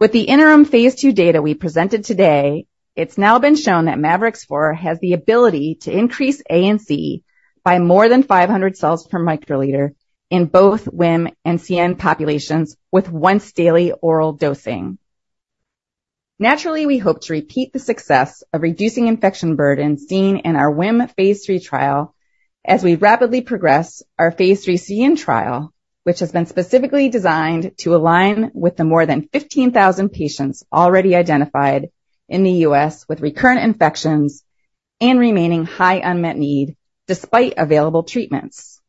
With the interim Phase 2 data we presented today, it's now been shown that mavorixafor has the ability to increase ANC by more than 500 cells per microliter in both WHIM and CN populations with once daily oral dosing. Naturally, we hope to repeat the success of reducing infection burden seen in our WHIM Phase 3 trial as we rapidly progress our Phase 3 CN trial, which has been specifically designed to align with the more than 15,000 patients already identified in the U.S. with recurrent infections and remaining high unmet need despite available treatments.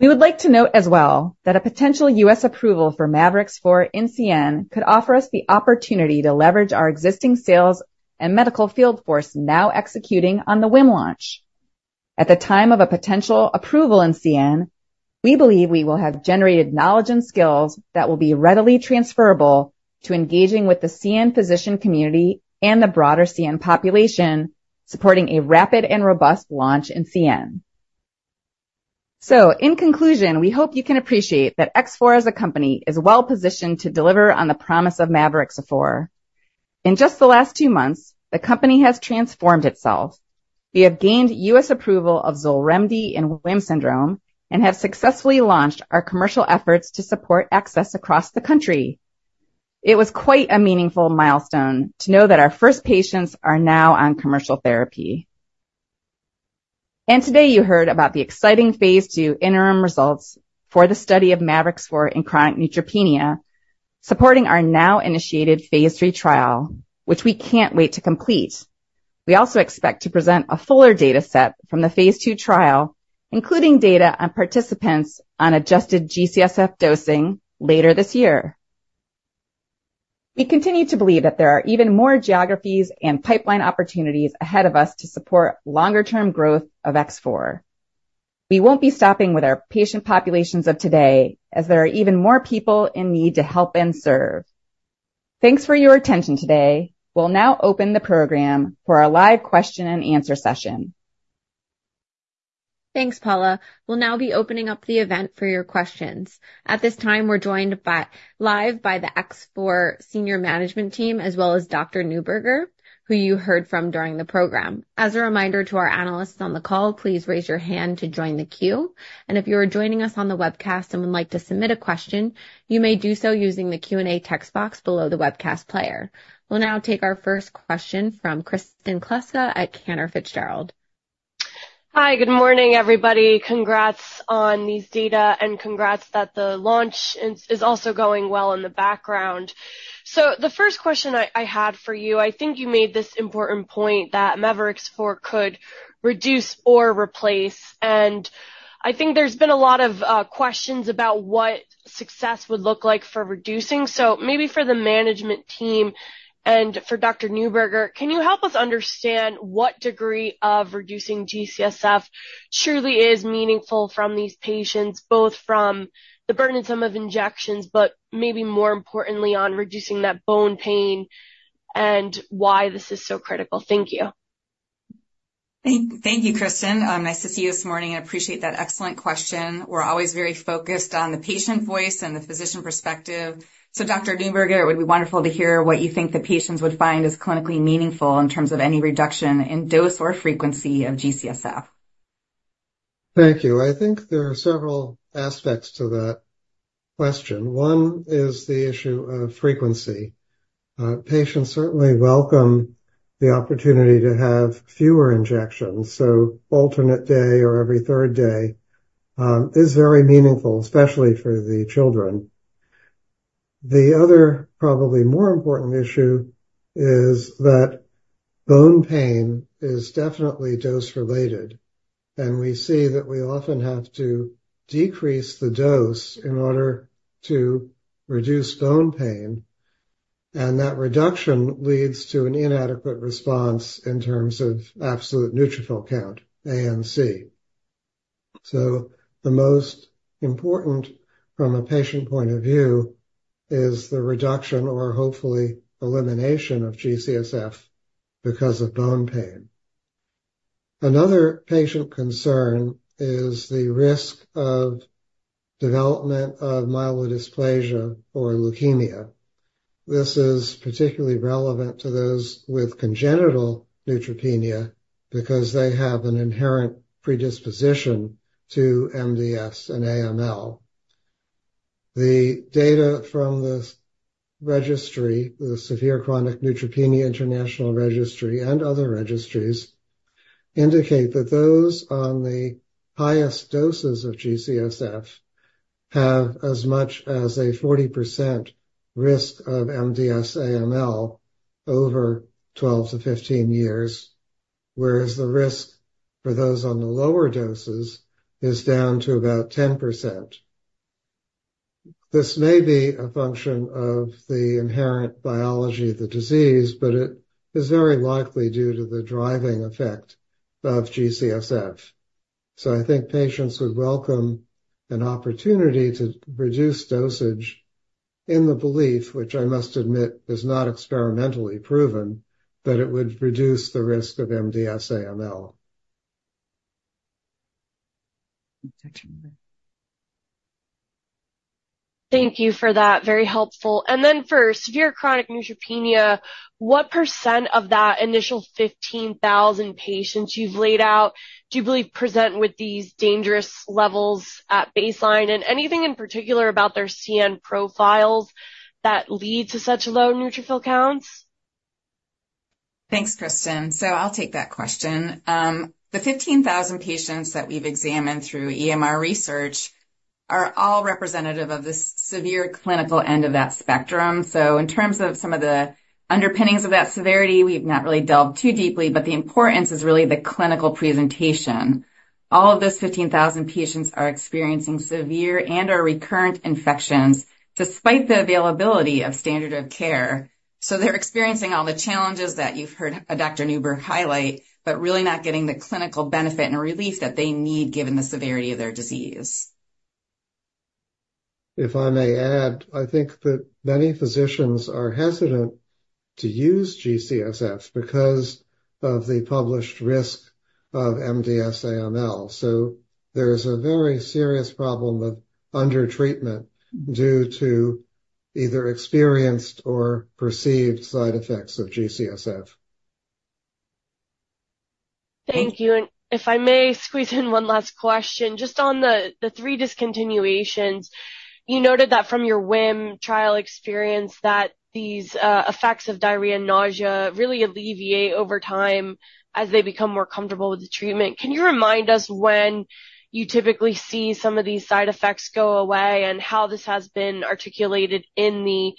We would like to note as well that a potential U.S. approval for mavorixafor in CN could offer us the opportunity to leverage our existing sales and medical field force now executing on the WHIM launch. At the time of a potential approval in CN, we believe we will have generated knowledge and skills that will be readily transferable to engaging with the CN physician community and the broader CN population, supporting a rapid and robust launch in CN. So in conclusion, we hope you can appreciate that X4 as a company, is well positioned to deliver on the promise of mavorixafor. In just the last 2 months, the company has transformed itself. We have gained U.S. approval of XOLREMDI in WHIM syndrome and have successfully launched our commercial efforts to support access across the country. It was quite a meaningful milestone to know that our first patients are now on commercial therapy. Today you heard about the exciting Phase 2 interim results for the study of mavorixafor in chronic neutropenia, supporting our now initiated Phase 3 trial, which we can't wait to complete. We also expect to present a fuller data set from the Phase 2 trial, including data on participants on adjusted G-CSF dosing later this year. We continue to believe that there are even more geographies and pipeline opportunities ahead of us to support longer-term growth of X4. We won't be stopping with our patient populations of today as there are even more people in need to help and serve. Thanks for your attention today. We'll now open the program for our live question-and-answer session. Thanks, Paula. We'll now be opening up the event for your questions. At this time, we're joined live by the X4 senior management team, as well as Dr. Newburger, who you heard from during the program. As a reminder to our analysts on the call, please raise your hand to join the queue, and if you are joining us on the webcast and would like to submit a question, you may do so using the Q&A text box below the webcast player. We'll now take our first question from Kristen Kluska at Cantor Fitzgerald. Hi, good morning, everybody. Congrats on these data, and congrats that the launch is also going well in the background. So the first question I had for you, I think you made this important point that mavorixafor could reduce or replace, and I think there's been a lot of questions about what success would look like for reducing. So maybe for the management team and for Dr. Newburger, can you help us understand what degree of reducing G-CSF truly is meaningful from these patients, both from the burdensome of injections, but maybe more importantly, on reducing that bone pain and why this is so critical? Thank you. Thank you, Kristen. Nice to see you this morning, and I appreciate that excellent question. We're always very focused on the patient voice and the physician perspective. So, Dr. Newburger, it would be wonderful to hear what you think the patients would find as clinically meaningful in terms of any reduction in dose or frequency of G-CSF. Thank you. I think there are several aspects to that question. One is the issue of frequency. Patients certainly welcome the opportunity to have fewer injections, so alternate day or every third day is very meaningful, especially for the children. The other, probably more important issue, is that bone pain is definitely dose-related, and we see that we often have to decrease the dose in order to reduce bone pain, and that reduction leads to an inadequate response in terms of absolute neutrophil count, ANC. So the most important, from a patient point of view, is the reduction or hopefully elimination of G-CSF because of bone pain.... Another patient concern is the risk of development of myelodysplasia or leukemia. This is particularly relevant to those with congenital neutropenia, because they have an inherent predisposition to MDS and AML. The data from this registry, the Severe Chronic Neutropenia International Registry, and other registries, indicate that those on the highest doses of G-CSF have as much as a 40% risk of MDS/AML over 12-15 years, whereas the risk for those on the lower doses is down to about 10%. This may be a function of the inherent biology of the disease, but it is very likely due to the driving effect of G-CSF. So I think patients would welcome an opportunity to reduce dosage in the belief, which I must admit is not experimentally proven, that it would reduce the risk of MDS/AML. Thank you for that. Very helpful. And then for severe chronic neutropenia, what % of that initial 15,000 patients you've laid out, do you believe, present with these dangerous levels at baseline? And anything in particular about their CN profiles that lead to such low neutrophil counts? Thanks, Kristen. So I'll take that question. The 15,000 patients that we've examined through EMR research are all representative of the severe clinical end of that spectrum. So in terms of some of the underpinnings of that severity, we've not really delved too deeply, but the importance is really the clinical presentation. All of those 15,000 patients are experiencing severe and/or recurrent infections, despite the availability of standard of care. So they're experiencing all the challenges that you've heard, Dr. Newburger highlight, but really not getting the clinical benefit and relief that they need, given the severity of their disease. If I may add, I think that many physicians are hesitant to use G-CSF because of the published risk of MDS/AML, so there is a very serious problem of undertreatment due to either experienced or perceived side effects of G-CSF. Thank you. If I may squeeze in one last question, just on the three discontinuations. You noted that from your WHIM trial experience, that these effects of diarrhea and nausea really alleviate over time as they become more comfortable with the treatment. Can you remind us when you typically see some of these side effects go away, and how this has been articulated in the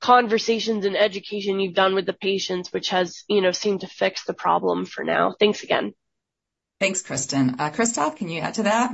conversations and education you've done with the patients, which has, you know, seemed to fix the problem for now? Thanks again. Thanks, Kristen. Christophe, can you add to that?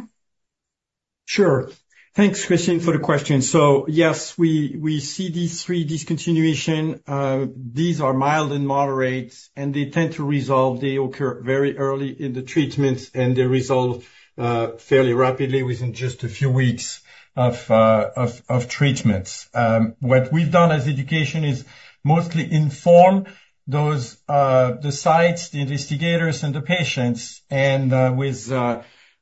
Sure. Thanks, Kristen, for the question. So yes, we, we see these three discontinuation. These are mild and moderate, and they tend to resolve. They occur very early in the treatment, and they resolve fairly rapidly within just a few weeks of treatments. What we've done as education is mostly inform those the sites, the investigators, and the patients, and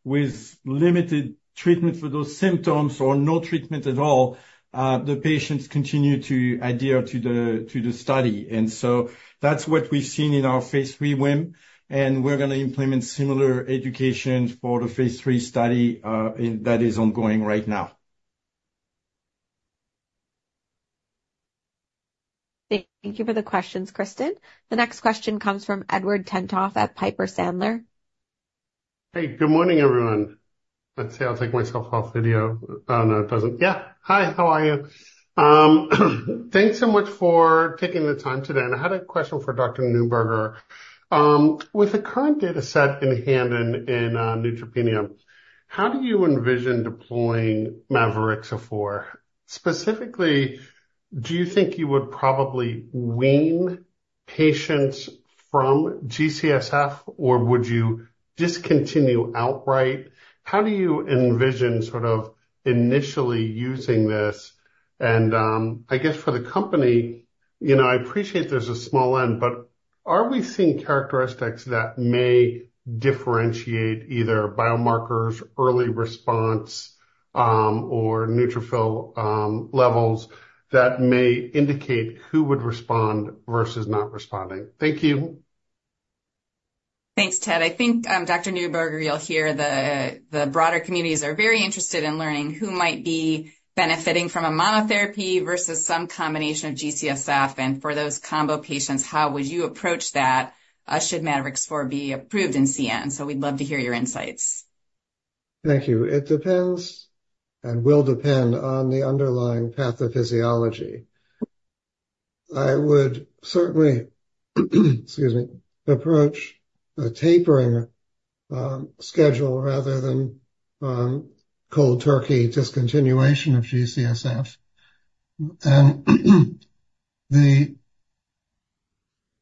with limited treatment for those symptoms or no treatment at all, the patients continue to adhere to the study. And so that's what we've seen in our Phase 3 WHIM, and we're gonna implement similar education for the Phase 3 study, and that is ongoing right now. Thank you for the questions, Kristen. The next question comes from Edward Tenthoff at Piper Sandler. Hey, good morning, everyone. Let's see. I'll take myself off video. Oh, no, it doesn't... Yeah. Hi, how are you? Thanks so much for taking the time today, and I had a question for Dr. Newburger. With the current data set in hand in neutropenia, how do you envision deploying mavorixafor? Specifically, do you think you would probably wean patients from G-CSF, or would you discontinue outright? How do you envision sort of initially using this? And, I guess for the company, you know, I appreciate there's a small end, but are we seeing characteristics that may differentiate either biomarkers, early response, or neutrophil levels, that may indicate who would respond versus not responding? Thank you. Thanks, Ted. I think, Dr. Newburger, you'll hear the broader communities are very interested in learning who might be benefiting from a monotherapy versus some combination of G-CSF, and for those combo patients, how would you approach that, should mavorixafor be approved in CN? So we'd love to hear your insights. Thank you. It depends and will depend on the underlying pathophysiology. I would certainly, excuse me, approach a tapering schedule rather than cold turkey discontinuation of G-CSF. The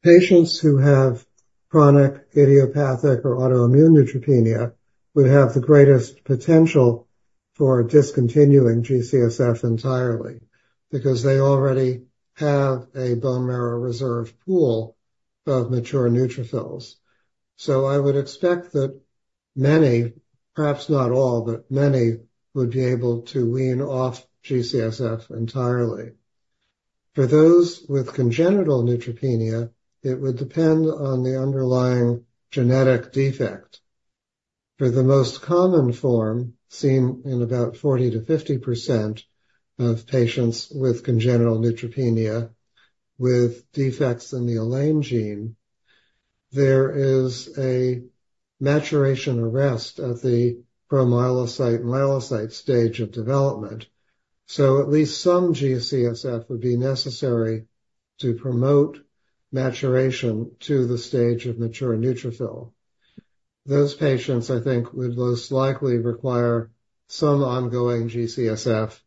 patients who have chronic idiopathic or autoimmune neutropenia would have the greatest potential for discontinuing G-CSF entirely, because they already have a bone marrow reserve pool of mature neutrophils. I would expect that many, perhaps not all, but many, would be able to wean off G-CSF entirely. For those with congenital neutropenia, it would depend on the underlying genetic defect. For the most common form, seen in about 40%-50% of patients with congenital neutropenia, with defects in the ELANE gene, there is a maturation arrest of the promyelocyte and myelocyte stage of development, so at least some G-CSF would be necessary to promote maturation to the stage of mature neutrophil. Those patients, I think, would most likely require some ongoing G-CSF,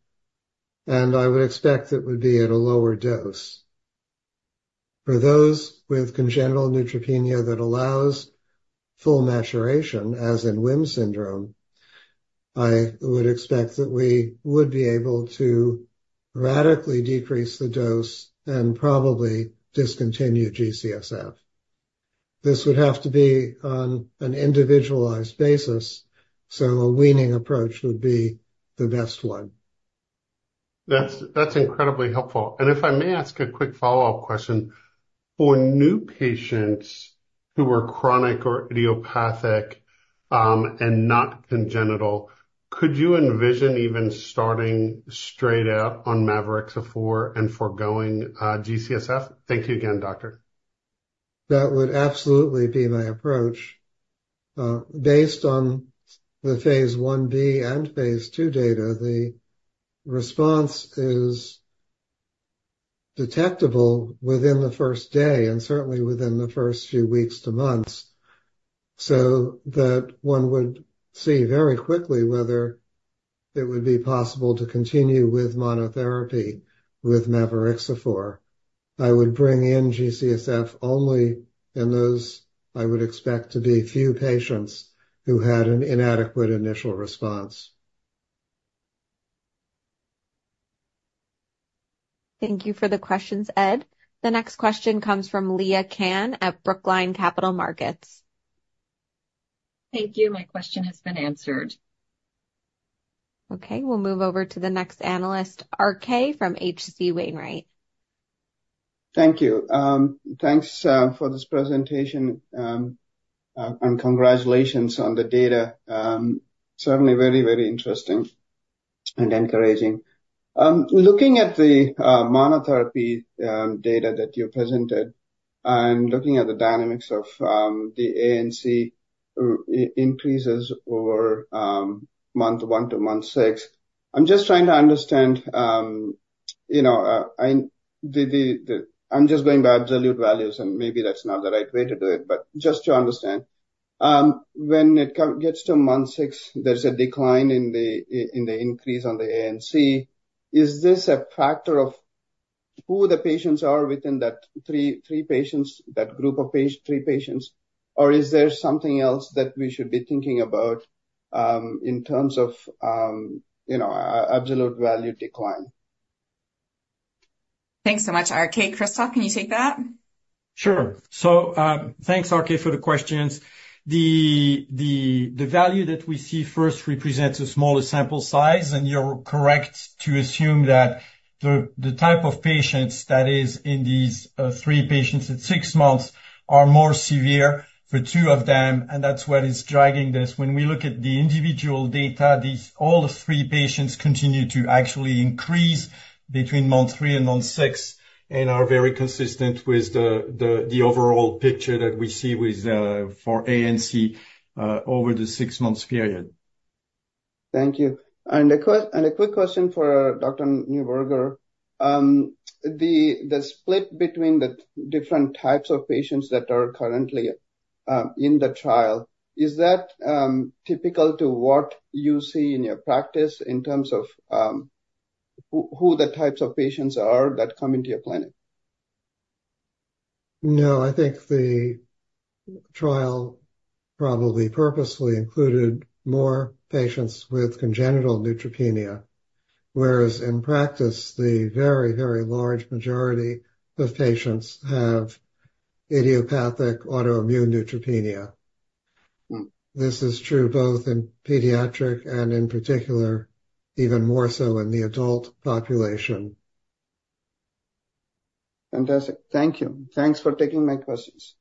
and I would expect it would be at a lower dose. For those with congenital neutropenia that allows full maturation, as in WHIM syndrome, I would expect that we would be able to radically decrease the dose and probably discontinue G-CSF. This would have to be on an individualized basis, so a weaning approach would be the best one. That's incredibly helpful. If I may ask a quick follow-up question. For new patients who are chronic or idiopathic, and not congenital, could you envision even starting straight out on mavorixafor and foregoing G-CSF? Thank you again, Doctor. That would absolutely be my approach. Based on the Phase 1b and Phase 2 data, the response is detectable within the first day, and certainly within the first few weeks to months, so that one would see very quickly whether it would be possible to continue with monotherapy with mavorixafor. I would bring in G-CSF only in those I would expect to be few patients who had an inadequate initial response. Thank you for the questions, Ed. The next question comes from Leah Cann at Brookline Capital Markets. Thank you. My question has been answered. Okay, we'll move over to the next analyst, R.K. from H.C. Wainwright. Thank you. Thanks for this presentation, and congratulations on the data. Certainly very, very interesting and encouraging. Looking at the monotherapy data that you presented, and looking at the dynamics of the ANC increases over month one to month six, I'm just trying to understand, you know, I'm just going by absolute values, and maybe that's not the right way to do it, but just to understand, when it gets to month six, there's a decline in the increase on the ANC. Is this a factor of who the patients are within that three patients, that group of three patients, or is there something else that we should be thinking about in terms of, you know, absolute value decline? Thanks so much, R.K. Christophe, can you take that? Sure. So, thanks, R.K., for the questions. The value that we see first represents a smaller sample size, and you're correct to assume that the type of patients that is in these three patients at six months are more severe for two of them, and that's what is driving this. When we look at the individual data, these all the three patients continue to actually increase between month three and month six, and are very consistent with the overall picture that we see with for ANC over the six-months period. Thank you. A quick question for Dr. Newburger. The split between the different types of patients that are currently in the trial, is that typical to what you see in your practice in terms of who the types of patients are that come into your clinic? No, I think the trial probably purposely included more patients with congenital neutropenia, whereas in practice, the very, very large majority of patients have idiopathic autoimmune neutropenia. Mm. This is true both in pediatric and, in particular, even more so in the adult population. Fantastic. Thank you. Thanks for taking my questions.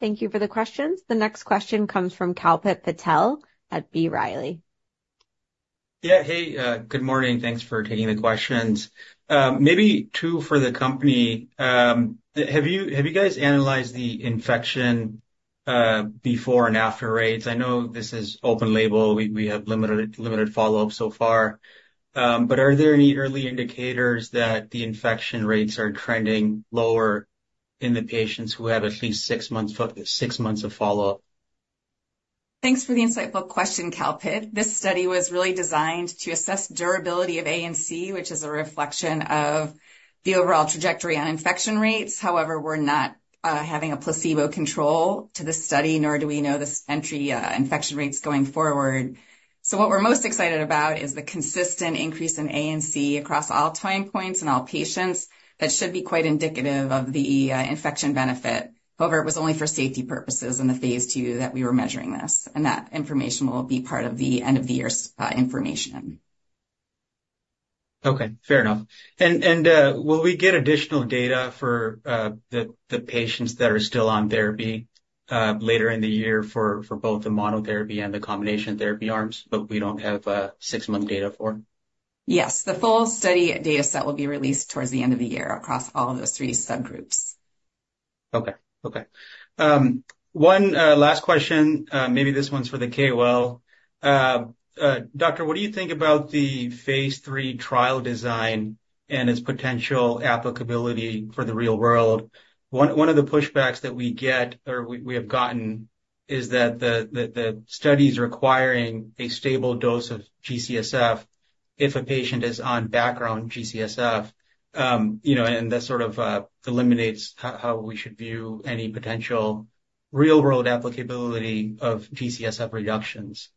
Thank you for the questions. The next question comes from Kalpit Patel at B. Riley. Yeah. Hey, good morning. Thanks for taking the questions. Maybe two for the company. Have you guys analyzed the infection before and after rates? I know this is open label. We have limited follow-up so far, but are there any early indicators that the infection rates are trending lower in the patients who have at least six months of follow-up? ...Thanks for the insightful question, Kalpit. This study was really designed to assess durability of ANC, which is a reflection of the overall trajectory on infection rates. However, we're not having a placebo control to the study, nor do we know this entry infection rates going forward. So what we're most excited about is the consistent increase in ANC across all time points and all patients. That should be quite indicative of the infection benefit. However, it was only for safety purposes in the Phase 2 that we were measuring this, and that information will be part of the end-of-the-year information. Okay, fair enough. And will we get additional data for the patients that are still on therapy later in the year for both the monotherapy and the combination therapy arms, but we don't have six-month data for? Yes, the full study data set will be released towards the end of the year across all of those three subgroups. Okay. Okay. One last question, maybe this one's for the CMO. Doctor, what do you think about the Phase 3 trial design and its potential applicability for the real world? One of the pushbacks that we get or we have gotten is that the study's requiring a stable dose of G-CSF if a patient is on background G-CSF. You know, and that sort of eliminates how we should view any potential real-world applicability of G-CSF reductions. Yeah,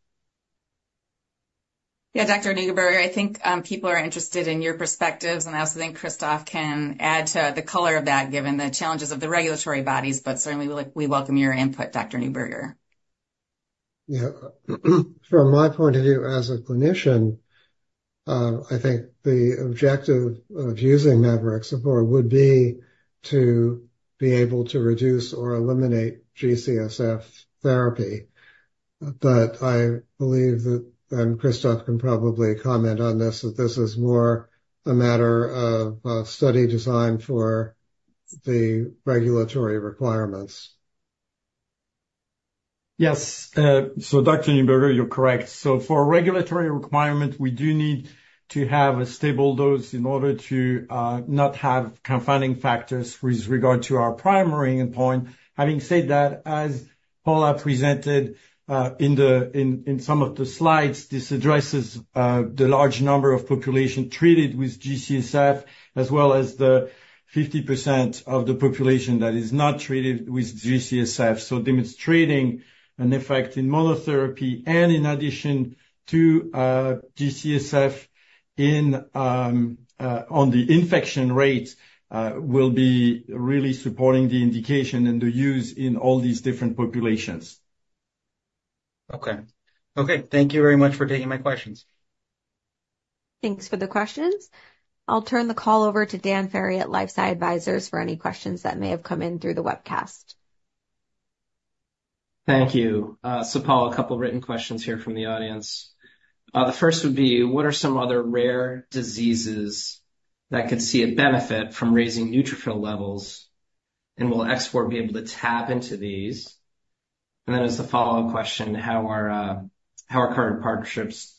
Dr. Newburger, I think people are interested in your perspectives, and I also think Christophe can add to the color of that, given the challenges of the regulatory bodies, but certainly we welcome your input, Dr. Newburger. Yeah. From my point of view as a clinician, I think the objective of using mavorixafor would be to be able to reduce or eliminate G-CSF therapy. But I believe that, and Christophe can probably comment on this, that this is more a matter of study design for the regulatory requirements. Yes, so Dr. Newburger, you're correct. So for regulatory requirement, we do need to have a stable dose in order to not have confounding factors with regard to our primary endpoint. Having said that, as Paula presented, in some of the slides, this addresses the large number of population treated with G-CSF, as well as the 50% of the population that is not treated with G-CSF. So demonstrating an effect in monotherapy and in addition to G-CSF on the infection rate will be really supporting the indication and the use in all these different populations. Okay. Okay, thank you very much for taking my questions. Thanks for the questions. I'll turn the call over to Dan Ferry at LifeSci Advisors for any questions that may have come in through the webcast. Thank you. So Paula, a couple of written questions here from the audience. The first would be: What are some other rare diseases that could see a benefit from raising neutrophil levels, and will X4 be able to tap into these? And then as a follow-up question, how are current partnerships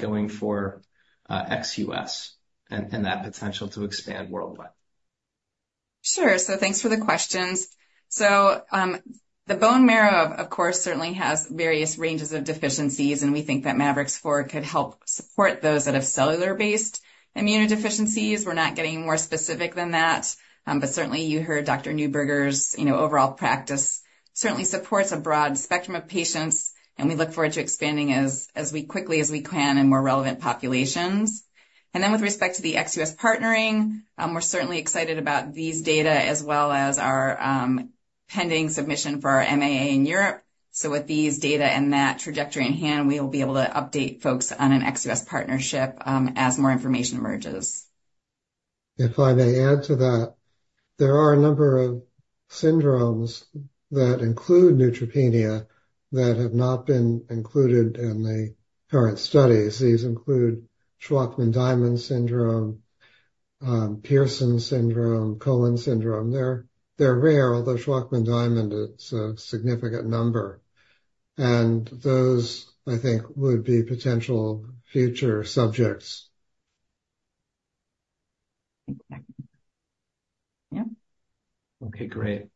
going for ex-U.S. and that potential to expand worldwide? Sure. So thanks for the questions. So, the bone marrow, of course, certainly has various ranges of deficiencies, and we think that mavorixafor could help support those that have cellular-based immunodeficiencies. We're not getting more specific than that. But certainly, you heard Dr. Newburger's, you know, overall practice certainly supports a broad spectrum of patients, and we look forward to expanding as quickly as we can in more relevant populations. And then, with respect to the ex-U.S. partnering, we're certainly excited about these data, as well as our pending submission for our MAA in Europe. So with these data and that trajectory in hand, we will be able to update folks on an ex-U.S. partnership as more information emerges. If I may add to that, there are a number of syndromes that include neutropenia that have not been included in the current studies. These include Shwachman-Diamond syndrome, Pearson syndrome, Cohen syndrome. They're rare, although Shwachman-Diamond, it's a significant number, and those, I think, would be potential future subjects. Exactly. Yeah. Okay, great.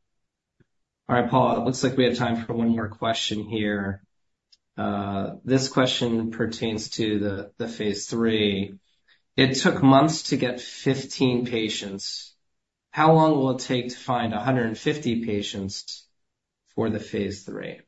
All right, Paula, it looks like we have time for one more question here. This question pertains to the Phase 3. It took months to get 15 patients. How long will it take to find 150 patients for the Phase 3?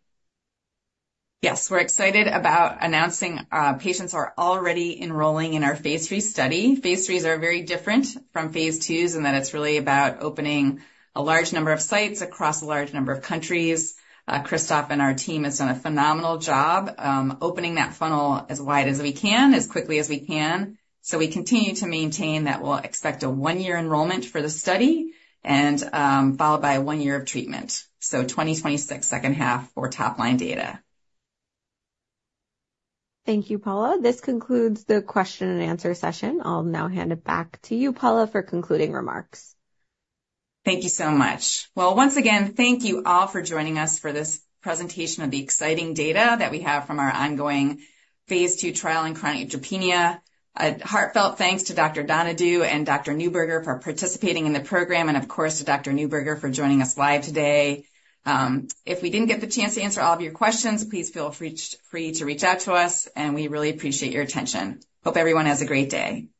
Yes, we're excited about announcing patients are already enrolling in our Phase 3 study. Phase 3s are very different from Phase 2s, and that it's really about opening a large number of sites across a large number of countries. Christophe and our team has done a phenomenal job opening that funnel as wide as we can, as quickly as we can. So we continue to maintain that we'll expect a 1-year enrollment for the study and followed by 1 year of treatment, so 2026, second half for top-line data. Thank you, Paula. This concludes the question and answer session. I'll now hand it back to you, Paula, for concluding remarks. Thank you so much. Well, once again, thank you all for joining us for this presentation of the exciting data that we have from our ongoing Phase 2 trial in chronic neutropenia. A heartfelt thanks to Dr. Donadieu and Dr. Newburger for participating in the program and, of course, to Dr. Newburger for joining us live today. If we didn't get the chance to answer all of your questions, please feel free to reach out to us, and we really appreciate your attention. Hope everyone has a great day.